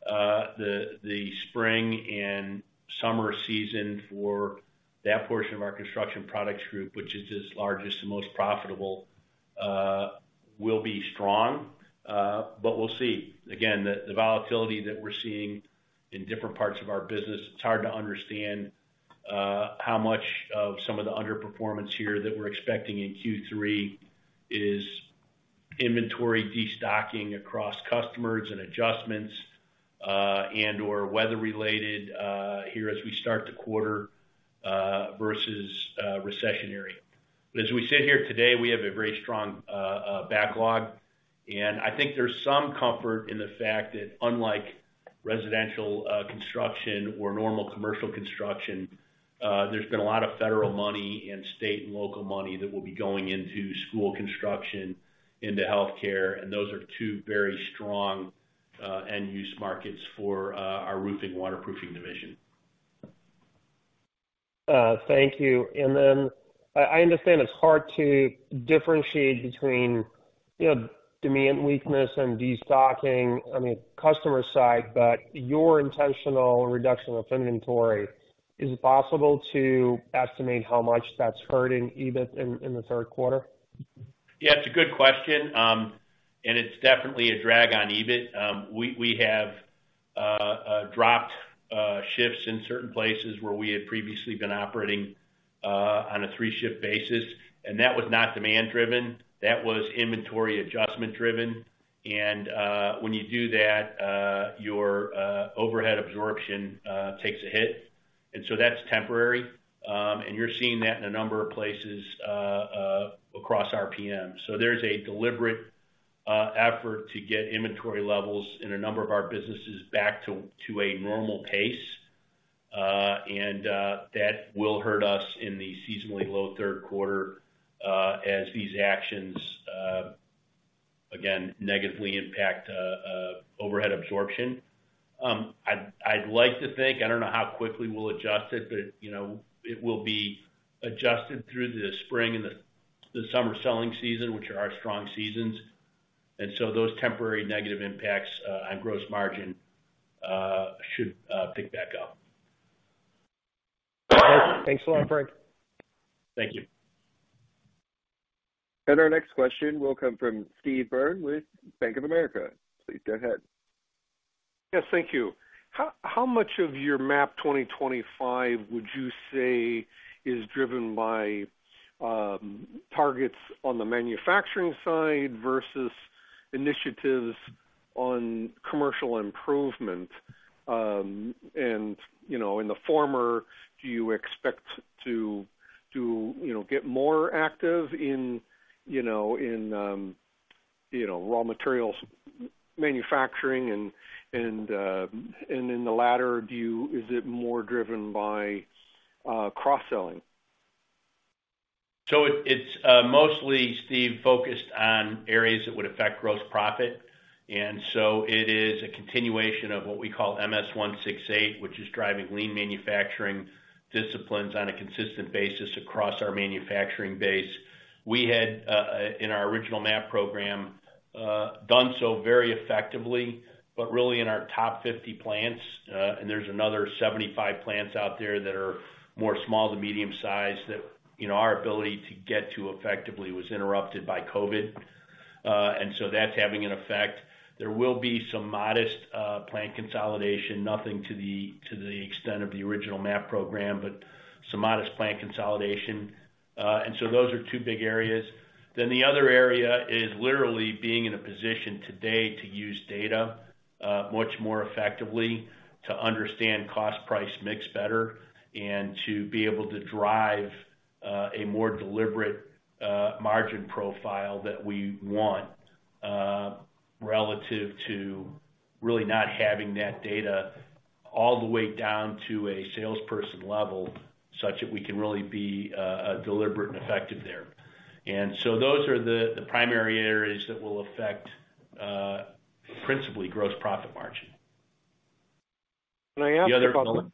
Speaker 3: the spring and summer season for that portion of our construction products group, which is its largest and most profitable, will be strong, but we'll see. Again, the volatility that we're seeing in different parts of our business, it's hard to understand, how much of some of the underperformance here that we're expecting in Q3 is inventory destocking across customers and adjustments, and/or weather-related, here as we start the quarter, versus, recessionary. As we sit here today, we have a very strong backlog, and I think there's some comfort in the fact that unlike residential construction or normal commercial construction, there's been a lot of federal money and state and local money that will be going into school construction, into healthcare, and those are two very strong end-use markets for our roofing waterproofing division.
Speaker 10: Thank you. I understand it's hard to differentiate between, you know, demand weakness and destocking, I mean, customer side, but your intentional reduction of inventory, is it possible to estimate how much that's hurting EBIT in the third quarter?
Speaker 3: Yeah, it's a good question. It's definitely a drag on EBIT. We have dropped shifts in certain places where we had previously been operating on a three-shift basis. That was not demand driven. That was inventory adjustment driven. When you do that, your overhead absorption takes a hit. That's temporary. You're seeing that in a number of places across RPM. There's a deliberate effort to get inventory levels in a number of our businesses back to a normal pace. That will hurt us in the seasonally low third quarter as these actions again negatively impact overhead absorption. I'd like to think, I don't know how quickly we'll adjust it, but, you know, it will be adjusted through the spring and the summer selling season, which are our strong seasons. Those temporary negative impacts, on gross margin, should pick back up.
Speaker 10: Okay. Thanks a lot, Frank.
Speaker 3: Thank you.
Speaker 1: Our next question will come from Steve Byrne with Bank of America. Please go ahead.
Speaker 11: Yes, thank you. How much of your MAP 2025 would you say is driven by targets on the manufacturing side versus initiatives on commercial improvement? You know, in the former, do you expect to, you know, get more active in, you know, raw materials manufacturing? In the latter view, is it more driven by cross-selling?
Speaker 3: It's mostly, Steve, focused on areas that would affect gross profit. It is a continuation of what we call MS168, which is driving lean manufacturing disciplines on a consistent basis across our manufacturing base. We had in our original MAP program done so very effectively, but really in our top 50 plants, and there's another 75 plants out there that are more small to medium-sized that, you know, our ability to get to effectively was interrupted by COVID. That's having an effect. There will be some modest plant consolidation, nothing to the extent of the original MAP program, but some modest plant consolidation. Those are two big areas. The other area is literally being in a position today to use data much more effectively to understand cost price mix better and to be able to drive a more deliberate margin profile that we want relative to really not having that data all the way down to a salesperson level such that we can really be deliberate and effective there. Those are the primary areas that will affect principally gross profit margin.
Speaker 11: Can I ask about?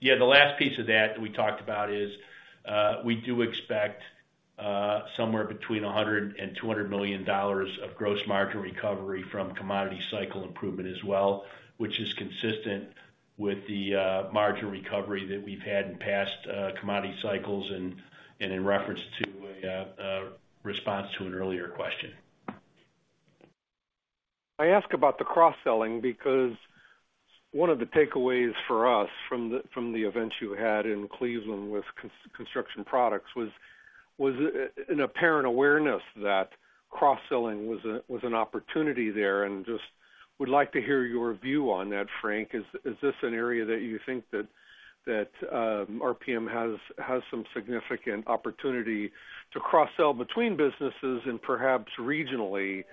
Speaker 3: Yeah. The last piece of that we talked about is, we do expect, somewhere between $100 million-$200 million of gross margin recovery from commodity cycle improvement as well, which is consistent with the margin recovery that we've had in past commodity cycles and in reference to a response to an earlier question.
Speaker 11: I ask about the cross-selling because one of the takeaways for us from the events you had in Cleveland with Construction Products was an apparent awareness that cross-selling was an opportunity there. Just would like to hear your view on that, Frank. Is this an area that you think that RPM has some significant opportunity to cross-sell between businesses and perhaps regionally?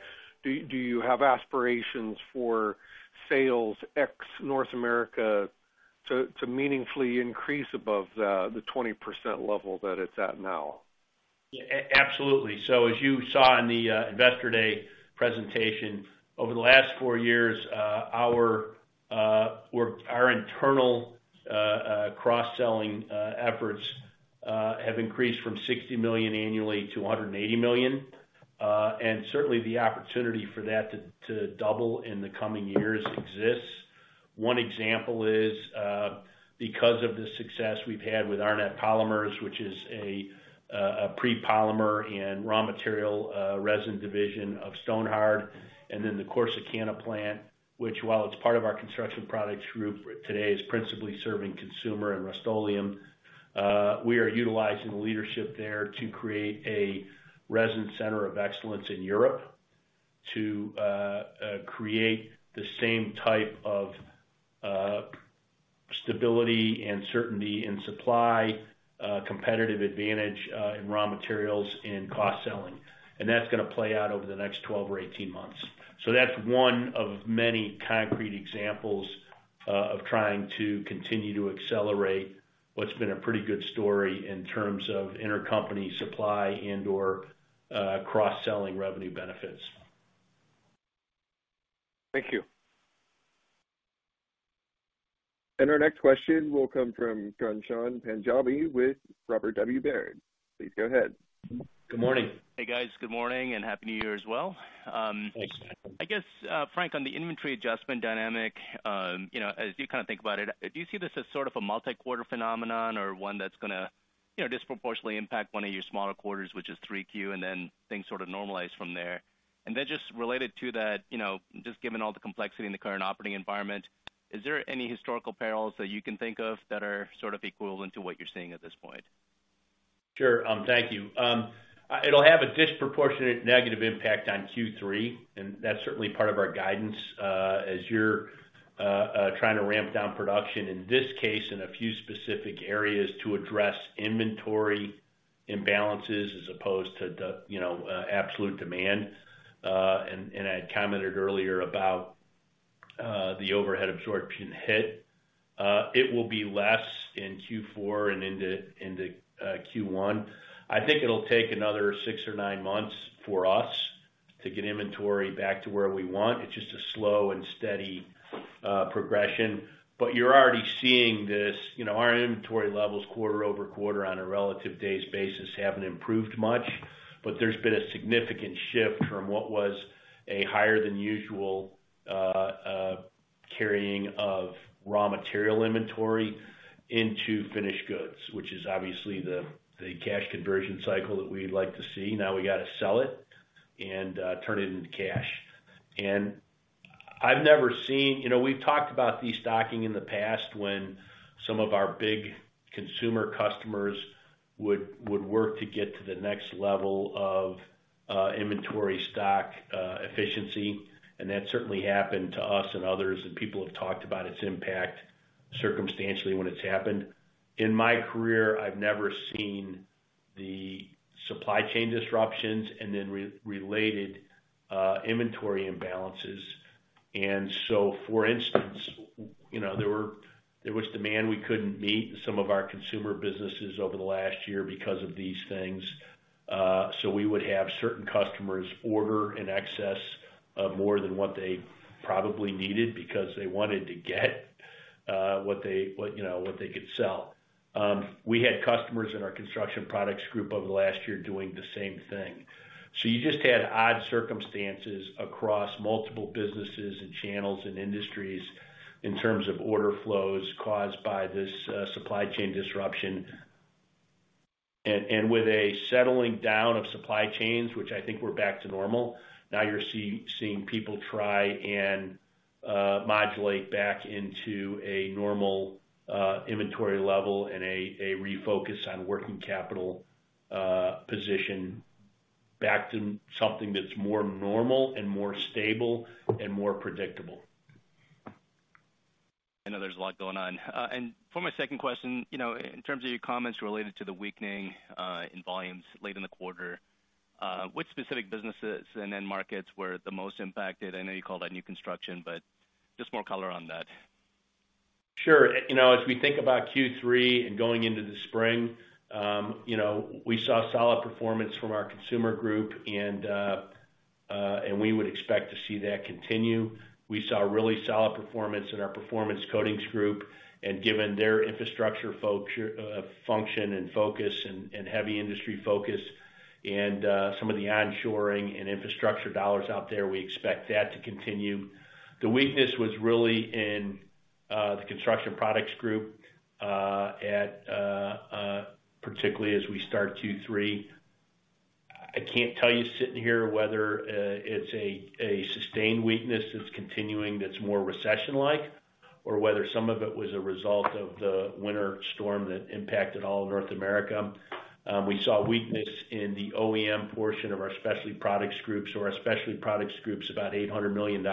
Speaker 11: Do you have aspirations for sales ex North America to meaningfully increase above the 20% level that it's at now?
Speaker 3: Absolutely. As you saw in the investor day presentation, over the last 4 years, our internal cross-selling efforts have increased from $60 million annually to $180 million. Certainly the opportunity for that to double in the coming years exists. One example is because of the success we've had with Arnette Polymers, which is a pre-polymer and raw material resin division of Stonhard, and then the Corsicana plant, which while it's part of our Construction Products Group today, is principally serving Consumer and Rust-Oleum. We are utilizing the leadership there to create a resin center of excellence in Europe to create the same type of stability and certainty in supply, competitive advantage in raw materials and cross-selling. That's gonna play out over the next 12 or 18 months. That's one of many concrete examples of trying to continue to accelerate what's been a pretty good story in terms of intercompany supply and/or cross-selling revenue benefits.
Speaker 11: Thank you.
Speaker 1: Our next question will come from Ghansham Panjabi with Robert W. Baird. Please go ahead.
Speaker 3: Good morning.
Speaker 12: Hey, guys. Good morning and happy New Year as well.
Speaker 3: Thanks.
Speaker 12: I guess, Frank, on the inventory adjustment dynamic, as you kind of think about it, do you see this as sort of a multi-quarter phenomenon or one that's gonna, you know, disproportionately impact one of your smaller quarters, which is 3Q, and then things sort of normalize from there? Just related to that, you know, just given all the complexity in the current operating environment, is there any historical parallels that you can think of that are sort of equivalent to what you're seeing at this point?
Speaker 3: Sure. Thank you. It'll have a disproportionate negative impact on Q3, and that's certainly part of our guidance, as you're trying to ramp down production, in this case, in a few specific areas to address inventory imbalances as opposed to the, you know, absolute demand. I had commented earlier about the overhead absorption hit. It will be less in Q4 and into Q1. I think it'll take another six or nine months for us to get inventory back to where we want. It's just a slow and steady progression. You're already seeing this. You know, our inventory levels quarter-over-quarter on a relative days basis haven't improved much, but there's been a significant shift from what was a higher than usual carrying of raw material inventory into finished goods, which is obviously the cash conversion cycle that we'd like to see. We got to sell it and turn it into cash. I've never seen. You know, we've talked about destocking in the past when some of our big consumer customers would work to get to the next level of inventory stock efficiency, and that certainly happened to us and others. People have talked about its impact circumstantially when it's happened. In my career, I've never seen the supply chain disruptions and then re-related inventory imbalances. For instance, you know, there was demand we couldn't meet in some of our consumer businesses over the last year because of these things. We would have certain customers order in excess of more than what they probably needed because they wanted to get what they, what, you know, what they could sell. We had customers in our Construction Products Group over the last year doing the same thing. You just had odd circumstances across multiple businesses and channels and industries in terms of order flows caused by this supply chain disruption. With a settling down of supply chains, which I think we're back to normal, now you're seeing people try and modulate back into a normal inventory level and a refocus on working capital position back to something that's more normal and more stable and more predictable.
Speaker 12: I know there's a lot going on. For my second question, you know, in terms of your comments related to the weakening, in volumes late in the quarter, which specific businesses and end markets were the most impacted? I know you called out new construction, but just more color on that.
Speaker 3: Sure. You know, as we think about Q3 and going into the spring, you know, we saw solid performance from our Consumer Group and we would expect to see that continue. We saw really solid performance in our Performance Coatings Group given their infrastructure function and focus and heavy industry focus and some of the onshoring and infrastructure dollars out there, we expect that to continue. The weakness was really in the Construction Products Group particularly as we start Q3. I can't tell you sitting here whether it's a sustained weakness that's continuing that's more recession-like or whether some of it was a result of the winter storm that impacted all of North America. We saw weakness in the OEM portion of our Specialty Products Group. Our Specialty Products Group's about $800 million.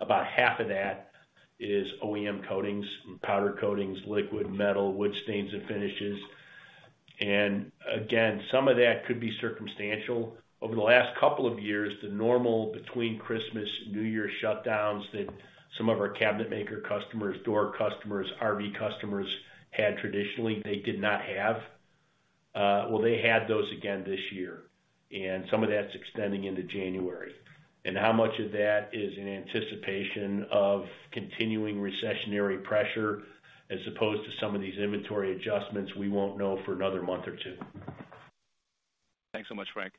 Speaker 3: About half of that is OEM coatings, powder coatings, liquid metal, wood stains and finishes. Again, some of that could be circumstantial. Over the last couple of years, the normal between Christmas and New Year shutdowns that some of our cabinet maker customers, door customers, RV customers had traditionally, they did not have. Well, they had those again this year, and some of that's extending into January. How much of that is in anticipation of continuing recessionary pressure as opposed to some of these inventory adjustments we won't know for another month or two.
Speaker 12: Thanks so much, Frank.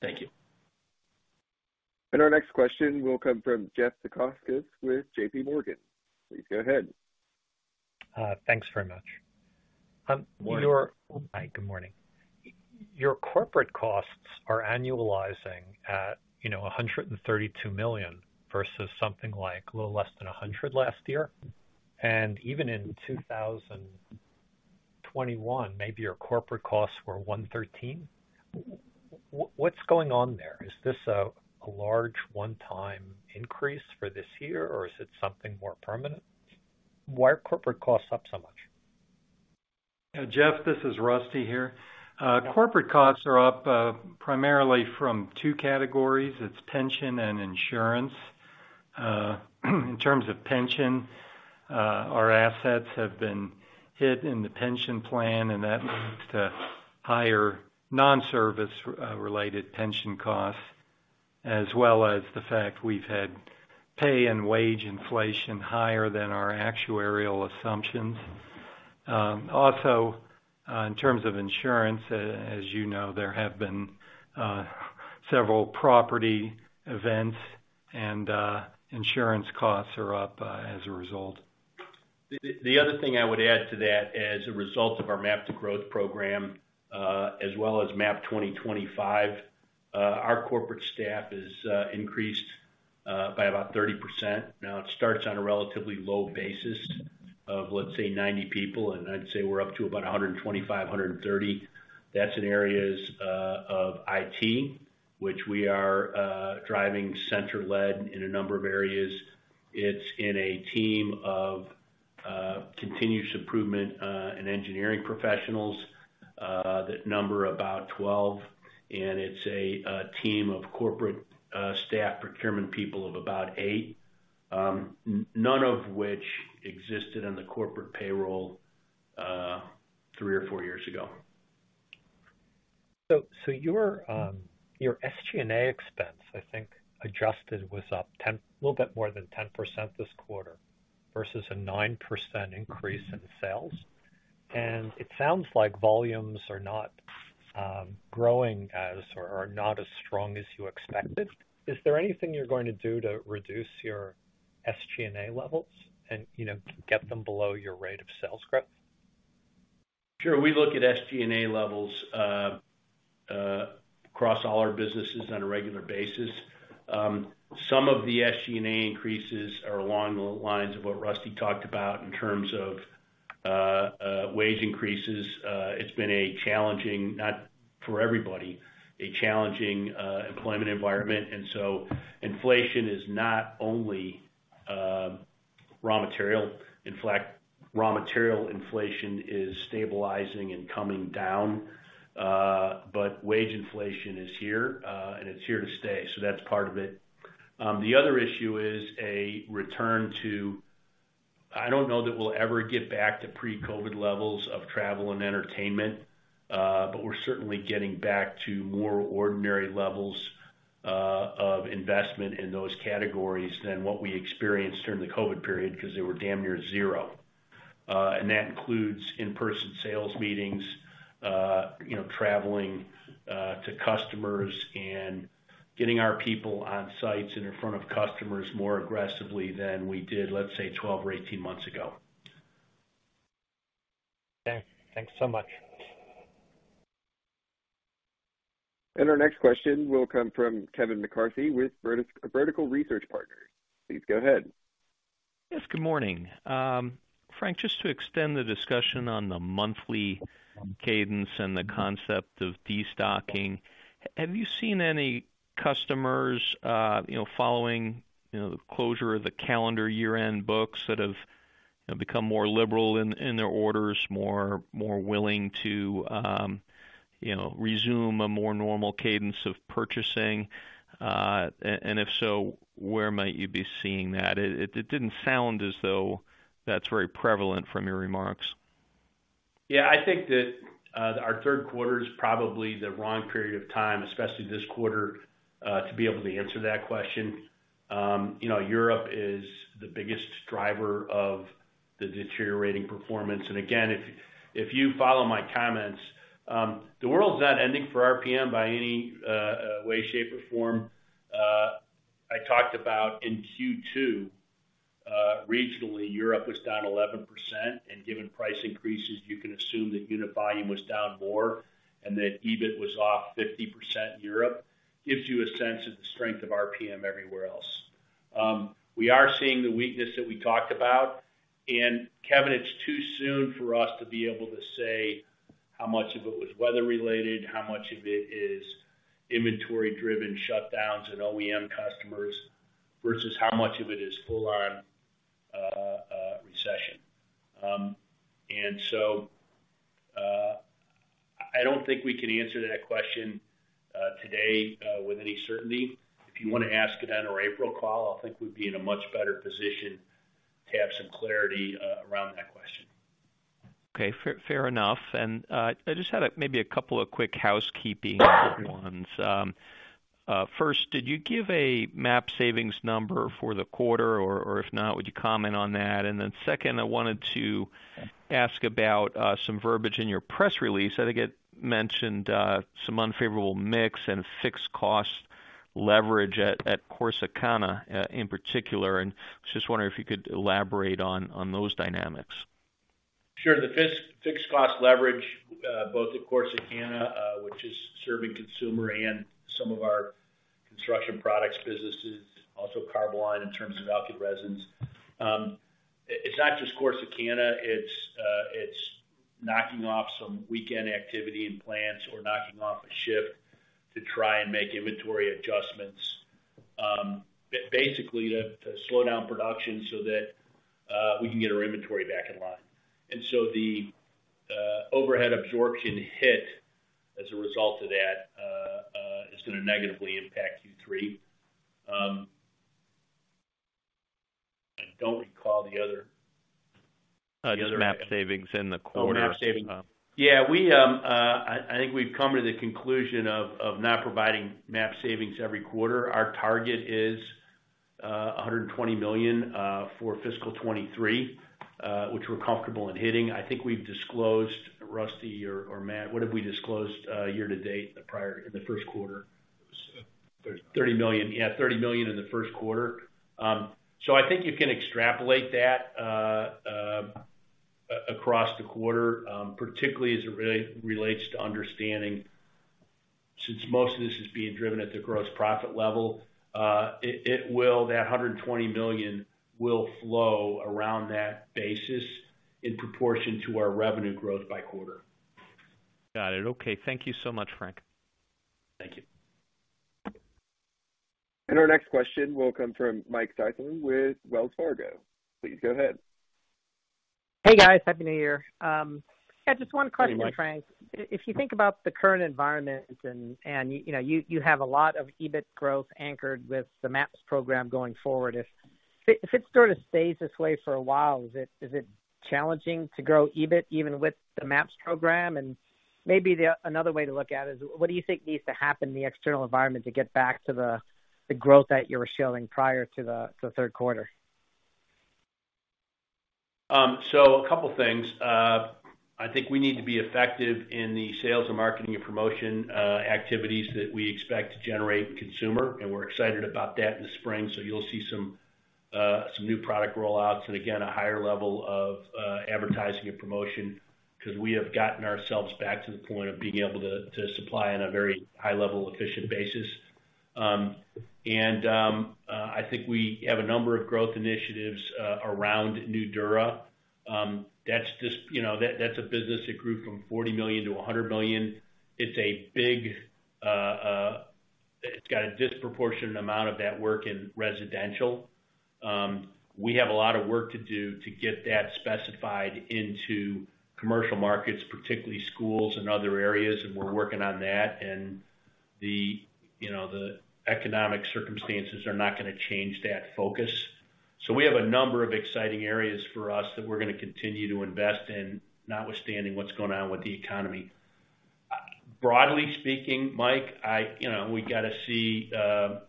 Speaker 3: Thank you.
Speaker 1: Our next question will come from Jeffrey Zekauskas with JPMorgan. Please go ahead.
Speaker 13: Thanks very much.
Speaker 3: Morning.
Speaker 13: Hi, good morning. Your corporate costs are annualizing at, you know, $132 million versus something like a little less than $100 last year. Even in 2021, maybe your corporate costs were $113. What's going on there? Is this a large one-time increase for this year or is it something more permanent? Why are corporate costs up so much?
Speaker 5: Jeff, this is Rusty here. Corporate costs are up primarily from two categories. It's pension and insurance. In terms of pension, our assets have been hit in the pension plan, and that leads to higher non-service related pension costs, as well as the fact we've had pay and wage inflation higher than our actuarial assumptions. Also, in terms of insurance, as you know, there have been several property events and insurance costs are up as a result.
Speaker 3: The other thing I would add to that, as a result of our MAP to Growth program, as well as MAP 2025, our corporate staff has increased by about 30%. Now, it starts on a relatively low basis of, let's say, 90 people, and I'd say we're up to about 125, 130. That's in areas of IT, which we are driving center-led in a number of areas. It's in a team of continuous improvement and engineering professionals that number about 12, and it's a team of corporate staff, procurement people of about 8, none of which existed on the corporate payroll three or four years ago.
Speaker 13: Your SG&A expense, I think, adjusted, was up a little bit more than 10% this quarter versus a 9% increase in sales. It sounds like volumes are not as strong as you expected. Is there anything you're going to do to reduce your SG&A levels and, you know, get them below your rate of sales growth?
Speaker 3: Sure. We look at SG&A levels across all our businesses on a regular basis. Some of the SG&A increases are along the lines of what Rusty talked about in terms of wage increases. It's been a challenging, not for everybody, a challenging employment environment. Inflation is not only raw material. In fact, raw material inflation is stabilizing and coming down, but wage inflation is here, and it's here to stay. That's part of it. The other issue is a return to. I don't know that we'll ever get back to pre-COVID levels of travel and entertainment, but we're certainly getting back to more ordinary levels of investment in those categories than what we experienced during the COVID period because they were damn near zero. That includes in-person sales meetings, you know, traveling to customers and getting our people on sites and in front of customers more aggressively than we did, let's say, 12 or 18 months ago.
Speaker 13: Okay. Thanks so much.
Speaker 1: Our next question will come from Kevin McCarthy with Vertical Research Partners. Please go ahead.
Speaker 14: Yes, good morning. Frank, just to extend the discussion on the monthly cadence and the concept of destocking, have you seen any customers, you know, following, you know, the closure of the calendar year-end books that have, you know, become more liberal in their orders, more willing to, you know, resume a more normal cadence of purchasing? If so, where might you be seeing that? It didn't sound as though that's very prevalent from your remarks.
Speaker 3: Yeah, I think that our third quarter is probably the wrong period of time, especially this quarter, to be able to answer that question. You know, Europe is the biggest driver of the deteriorating performance. If, if you follow my comments, the world's not ending for RPM by any way, shape, or form. I talked about in Q2, regionally, Europe was down 11%, and given price increases, you can assume that unit volume was down more and that EBIT was off 50% in Europe. Gives you a sense of the strength of RPM everywhere else. We are seeing the weakness that we talked about. Kevin, it's too soon for us to be able to say how much of it was weather related, how much of it is inventory driven shutdowns and OEM customers, versus how much of it is full on recession. I don't think we can answer that question today with any certainty. If you wanna ask it on our April call, I think we'd be in a much better position to have some clarity around that question.
Speaker 14: Okay, fair enough. I just had, maybe a couple of quick housekeeping ones. First, did you give a MAP savings number for the quarter? Or if not, would you comment on that? Second, I wanted to ask about, some verbiage in your press release. I think it mentioned, some unfavorable mix and fixed cost leverage at Corsicana, in particular. Just wondering if you could elaborate on those dynamics.
Speaker 3: Sure. The fixed cost leverage, both at Corsicana, which is serving consumer and some of our construction products businesses, also Carboline in terms of alkyd resins. It's not just Corsicana, it's knocking off some weekend activity in plants or knocking off a ship to try and make inventory adjustments, basically to slow down production so that we can get our inventory back in line. The overhead absorption hit as a result of that is gonna negatively impact Q3. I don't recall the other.
Speaker 14: Just MAP savings in the quarter.
Speaker 3: Oh, MAP savings. Yeah, I think we've come to the conclusion of not providing MAP savings every quarter. Our target is $120 million for fiscal 2023, which we're comfortable in hitting. I think we've disclosed, Rusty or Matt, what have we disclosed year to date prior to the first quarter?
Speaker 4: It was 30.
Speaker 3: $30 million. Yeah, $30 million in the first quarter. I think you can extrapolate that across the quarter, particularly as it relates to understanding since most of this is being driven at the gross profit level, it will. That $120 million will flow around that basis in proportion to our revenue growth by quarter.
Speaker 14: Got it. Okay. Thank you so much, Frank.
Speaker 3: Thank you.
Speaker 1: Our next question will come from Michael Sison with Wells Fargo. Please go ahead.
Speaker 15: Hey, guys. Happy New Year. Yeah, just one question, Frank. If you think about the current environment and, you know, you have a lot of EBIT growth anchored with the MAP program going forward, if it sort of stays this way for a while, is it challenging to grow EBIT even with the MAP program? Maybe another way to look at it is what do you think needs to happen in the external environment to get back to the growth that you were showing prior to the third quarter?
Speaker 3: A couple of things. I think we need to be effective in the sales and marketing and promotion activities that we expect to generate consumer, and we're excited about that in the spring. You'll see some new product rollouts and again, a higher level of advertising and promotion because we have gotten ourselves back to the point of being able to supply on a very high-level, efficient basis. I think we have a number of growth initiatives around Nudura. That's just, you know, that's a business that grew from $40 million to $100 million. It's a big, it's got a disproportionate amount of that work in residential. We have a lot of work to do to get that specified into commercial markets, particularly schools and other areas, and we're working on that. The, you know, the economic circumstances are not gonna change that focus. So we have a number of exciting areas for us that we're gonna continue to invest in, notwithstanding what's going on with the economy. Broadly speaking, Mike, you know, we gotta see the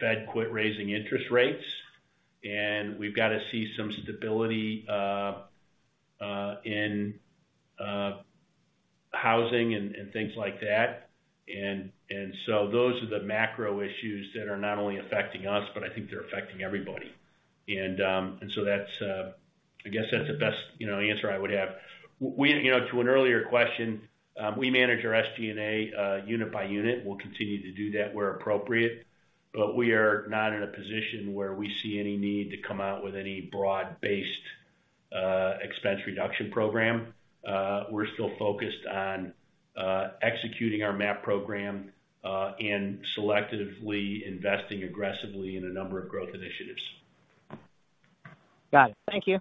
Speaker 3: Fed quit raising interest rates, and we've gotta see some stability in housing and things like that. Those are the macro issues that are not only affecting us, but I think they're affecting everybody. That's, I guess that's the best, you know, answer I would have. We, you know, to an earlier question, we manage our SG&A unit by unit. We'll continue to do that where appropriate. We are not in a position where we see any need to come out with any broad-based expense reduction program. We're still focused on executing our MAP program and selectively investing aggressively in a number of growth initiatives.
Speaker 15: Got it. Thank you.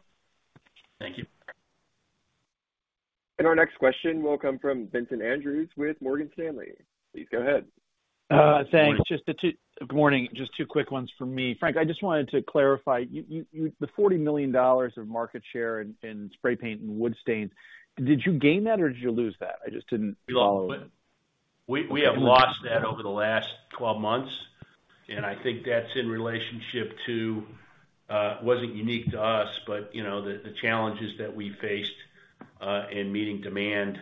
Speaker 3: Thank you.
Speaker 1: Our next question will come from Vincent Andrews with Morgan Stanley. Please go ahead.
Speaker 3: Good morning.
Speaker 16: Thanks. Good morning. Just two quick ones for me. Frank, I just wanted to clarify, the $40 million of market share in spray paint and wood stains, did you gain that or did you lose that? I just didn't follow.
Speaker 3: We lost it. We have lost that over the last 12 months, and I think that's in relationship to, wasn't unique to us, but, you know, the challenges that we faced, in meeting demand,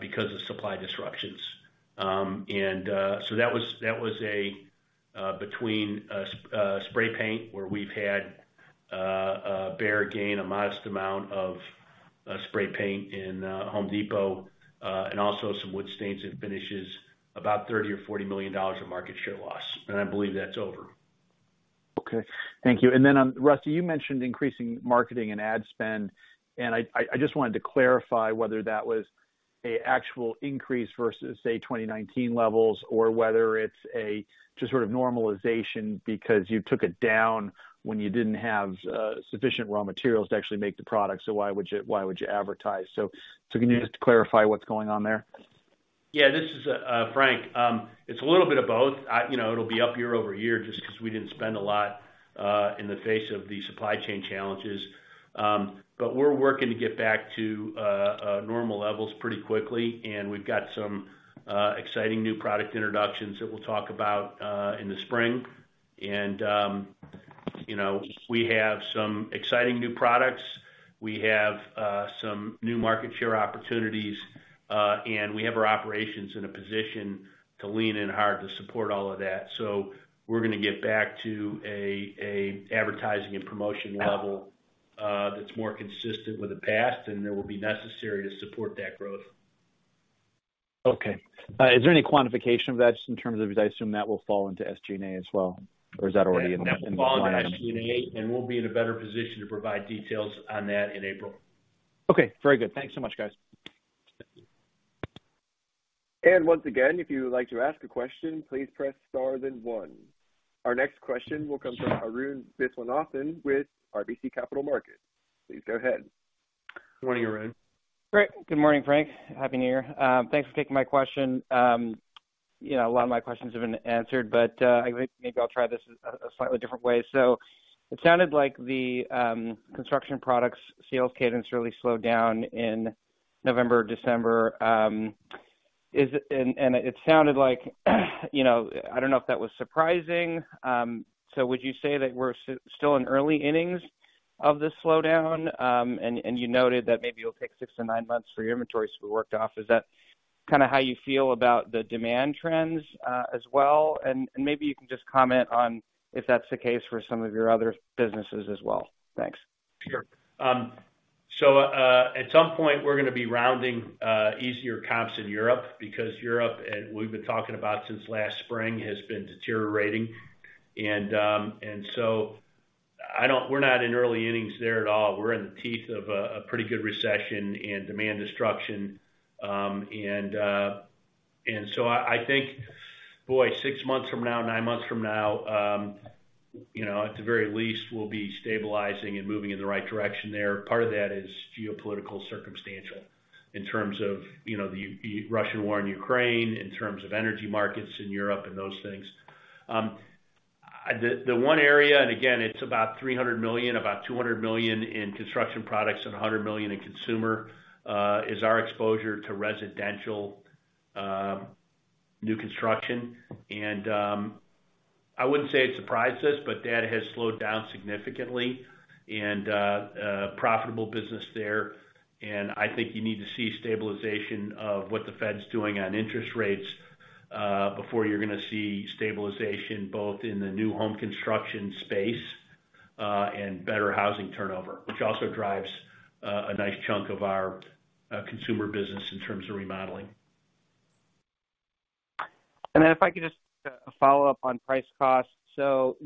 Speaker 3: because of supply disruptions. So that was a, between, spray paint, where we've had, a BEHR gain, a modest amount of, spray paint in, Home Depot, and also some wood stains and finishes, about $30 million-$40 million of market share loss. I believe that's over.
Speaker 16: Okay. Thank you. Then on... Russell, you mentioned increasing marketing and ad spend, and I just wanted to clarify whether that was a actual increase versus, say, 2019 levels or whether it's a just sort of normalization because you took it down when you didn't have sufficient raw materials to actually make the product, why would you advertise? Can you just clarify what's going on there?
Speaker 3: Yeah. This is Frank. It's a little bit of both. You know, it'll be up year-over-year just 'cause we didn't spend a lot in the face of the supply chain challenges. We're working to get back to normal levels pretty quickly, and we've got some exciting new product introductions that we'll talk about in the spring. You know, we have some exciting new products. We have some new market share opportunities, and we have our operations in a position to lean in hard to support all of that. We're gonna get back to a advertising and promotion level that's more consistent with the past and that will be necessary to support that growth.
Speaker 16: Okay. Is there any quantification of that just in terms of, as I assume that will fall into SG&A as well? Is that already in the, in the line items?
Speaker 3: That will fall into SG&A, and we'll be in a better position to provide details on that in April.
Speaker 16: Okay. Very good. Thanks so much, guys.
Speaker 3: Thank you.
Speaker 1: Once again, if you would like to ask a question, please press star then 1. Our next question will come from Arun Viswanathan with RBC Capital Markets. Please go ahead.
Speaker 3: Morning, Arun.
Speaker 17: Great. Good morning, Frank. Happy New Year. Thanks for taking my question. You know, a lot of my questions have been answered, but I think maybe I'll try this as a slightly different way. It sounded like the Construction Products sales cadence really slowed down in November, December. It sounded like, you know, I don't know if that was surprising. Would you say that we're still in early innings of this slowdown? You noted that maybe it'll take six to nine months for your inventory to be worked off. Is that kinda how you feel about the demand trends as well? Maybe you can just comment on if that's the case for some of your other businesses as well. Thanks.
Speaker 3: Sure. At some point, we're gonna be rounding easier comps in Europe because Europe, we've been talking about since last spring, has been deteriorating. We're not in early innings there at all. We're in the teeth of a pretty good recession and demand destruction. I think, boy, six months from now, nine months from now, you know, at the very least we'll be stabilizing and moving in the right direction there. Part of that is geopolitical circumstantial in terms of, you know, the Russian war in Ukraine, in terms of energy markets in Europe and those things. The one area, it's about $300 million, about $200 million in construction products and $100 million in consumer, is our exposure to residential new construction. I wouldn't say it surprised us, but that has slowed down significantly and a profitable business there. I think you need to see stabilization of what the Fed's doing on interest rates before you're gonna see stabilization both in the new home construction space and better housing turnover, which also drives a nice chunk of our consumer business in terms of remodeling.
Speaker 17: If I could just follow up on price cost?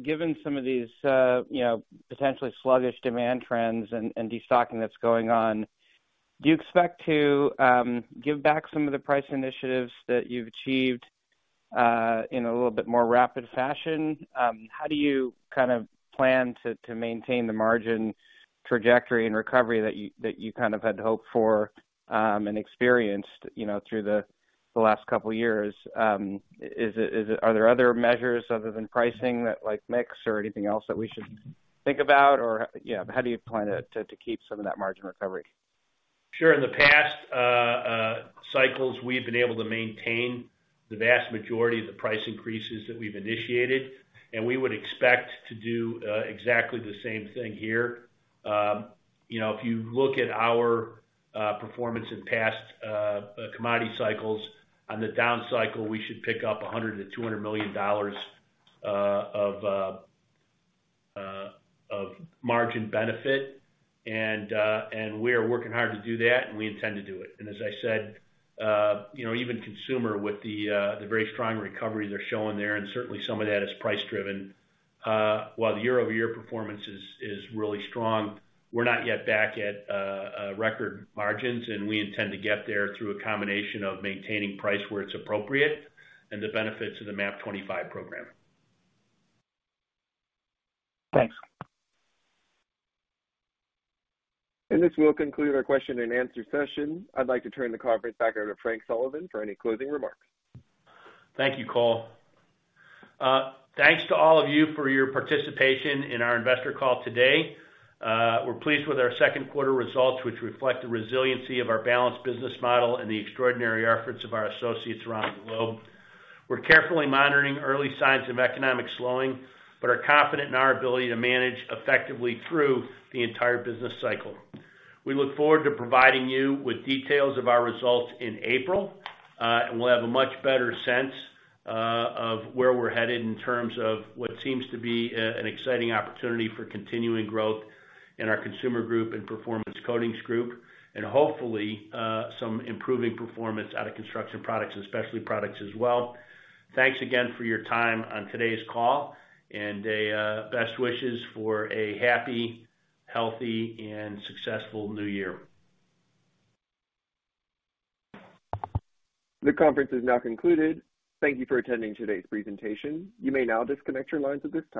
Speaker 17: Given some of these, you know, potentially sluggish demand trends and destocking that's going on, do you expect to give back some of the price initiatives that you've achieved in a little bit more rapid fashion? How do you kind of plan to maintain the margin trajectory and recovery that you kind of had hoped for and experienced, you know, through the last couple years? Is it? Are there other measures other than pricing that like mix or anything else that we should think about? Or, yeah, how do you plan to keep some of that margin recovery?
Speaker 3: Sure. In the past, cycles, we've been able to maintain the vast majority of the price increases that we've initiated, and we would expect to do exactly the same thing here. You know, if you look at our performance in past commodity cycles, on the down cycle, we should pick up $100 million-$200 million of margin benefit. We are working hard to do that, and we intend to do it. As I said, you know, even Consumer with the very strong recovery they're showing there, and certainly some of that is price driven. While the year-over-year performance is really strong, we're not yet back at record margins, and we intend to get there through a combination of maintaining price where it's appropriate and the benefits of the MAP 25 program.
Speaker 17: Thanks.
Speaker 1: This will conclude our question and answer session. I'd like to turn the conference back over to Frank Sullivan for any closing remarks.
Speaker 3: Thank you, Cole. Thanks to all of you for your participation in our investor call today. We're pleased with our second quarter results, which reflect the resiliency of our balanced business model and the extraordinary efforts of our associates around the globe. We're carefully monitoring early signs of economic slowing, but are confident in our ability to manage effectively through the entire business cycle. We look forward to providing you with details of our results in April. We'll have a much better sense of where we're headed in terms of what seems to be an exciting opportunity for continuing growth in our Consumer Group and Performance Coatings Group, and hopefully, some improving performance out of Construction Products and Specialty Products as well. Thanks again for your time on today's call and best wishes for a happy, healthy, and successful new year.
Speaker 1: The conference is now concluded. Thank you for attending today's presentation. You may now disconnect your lines at this time.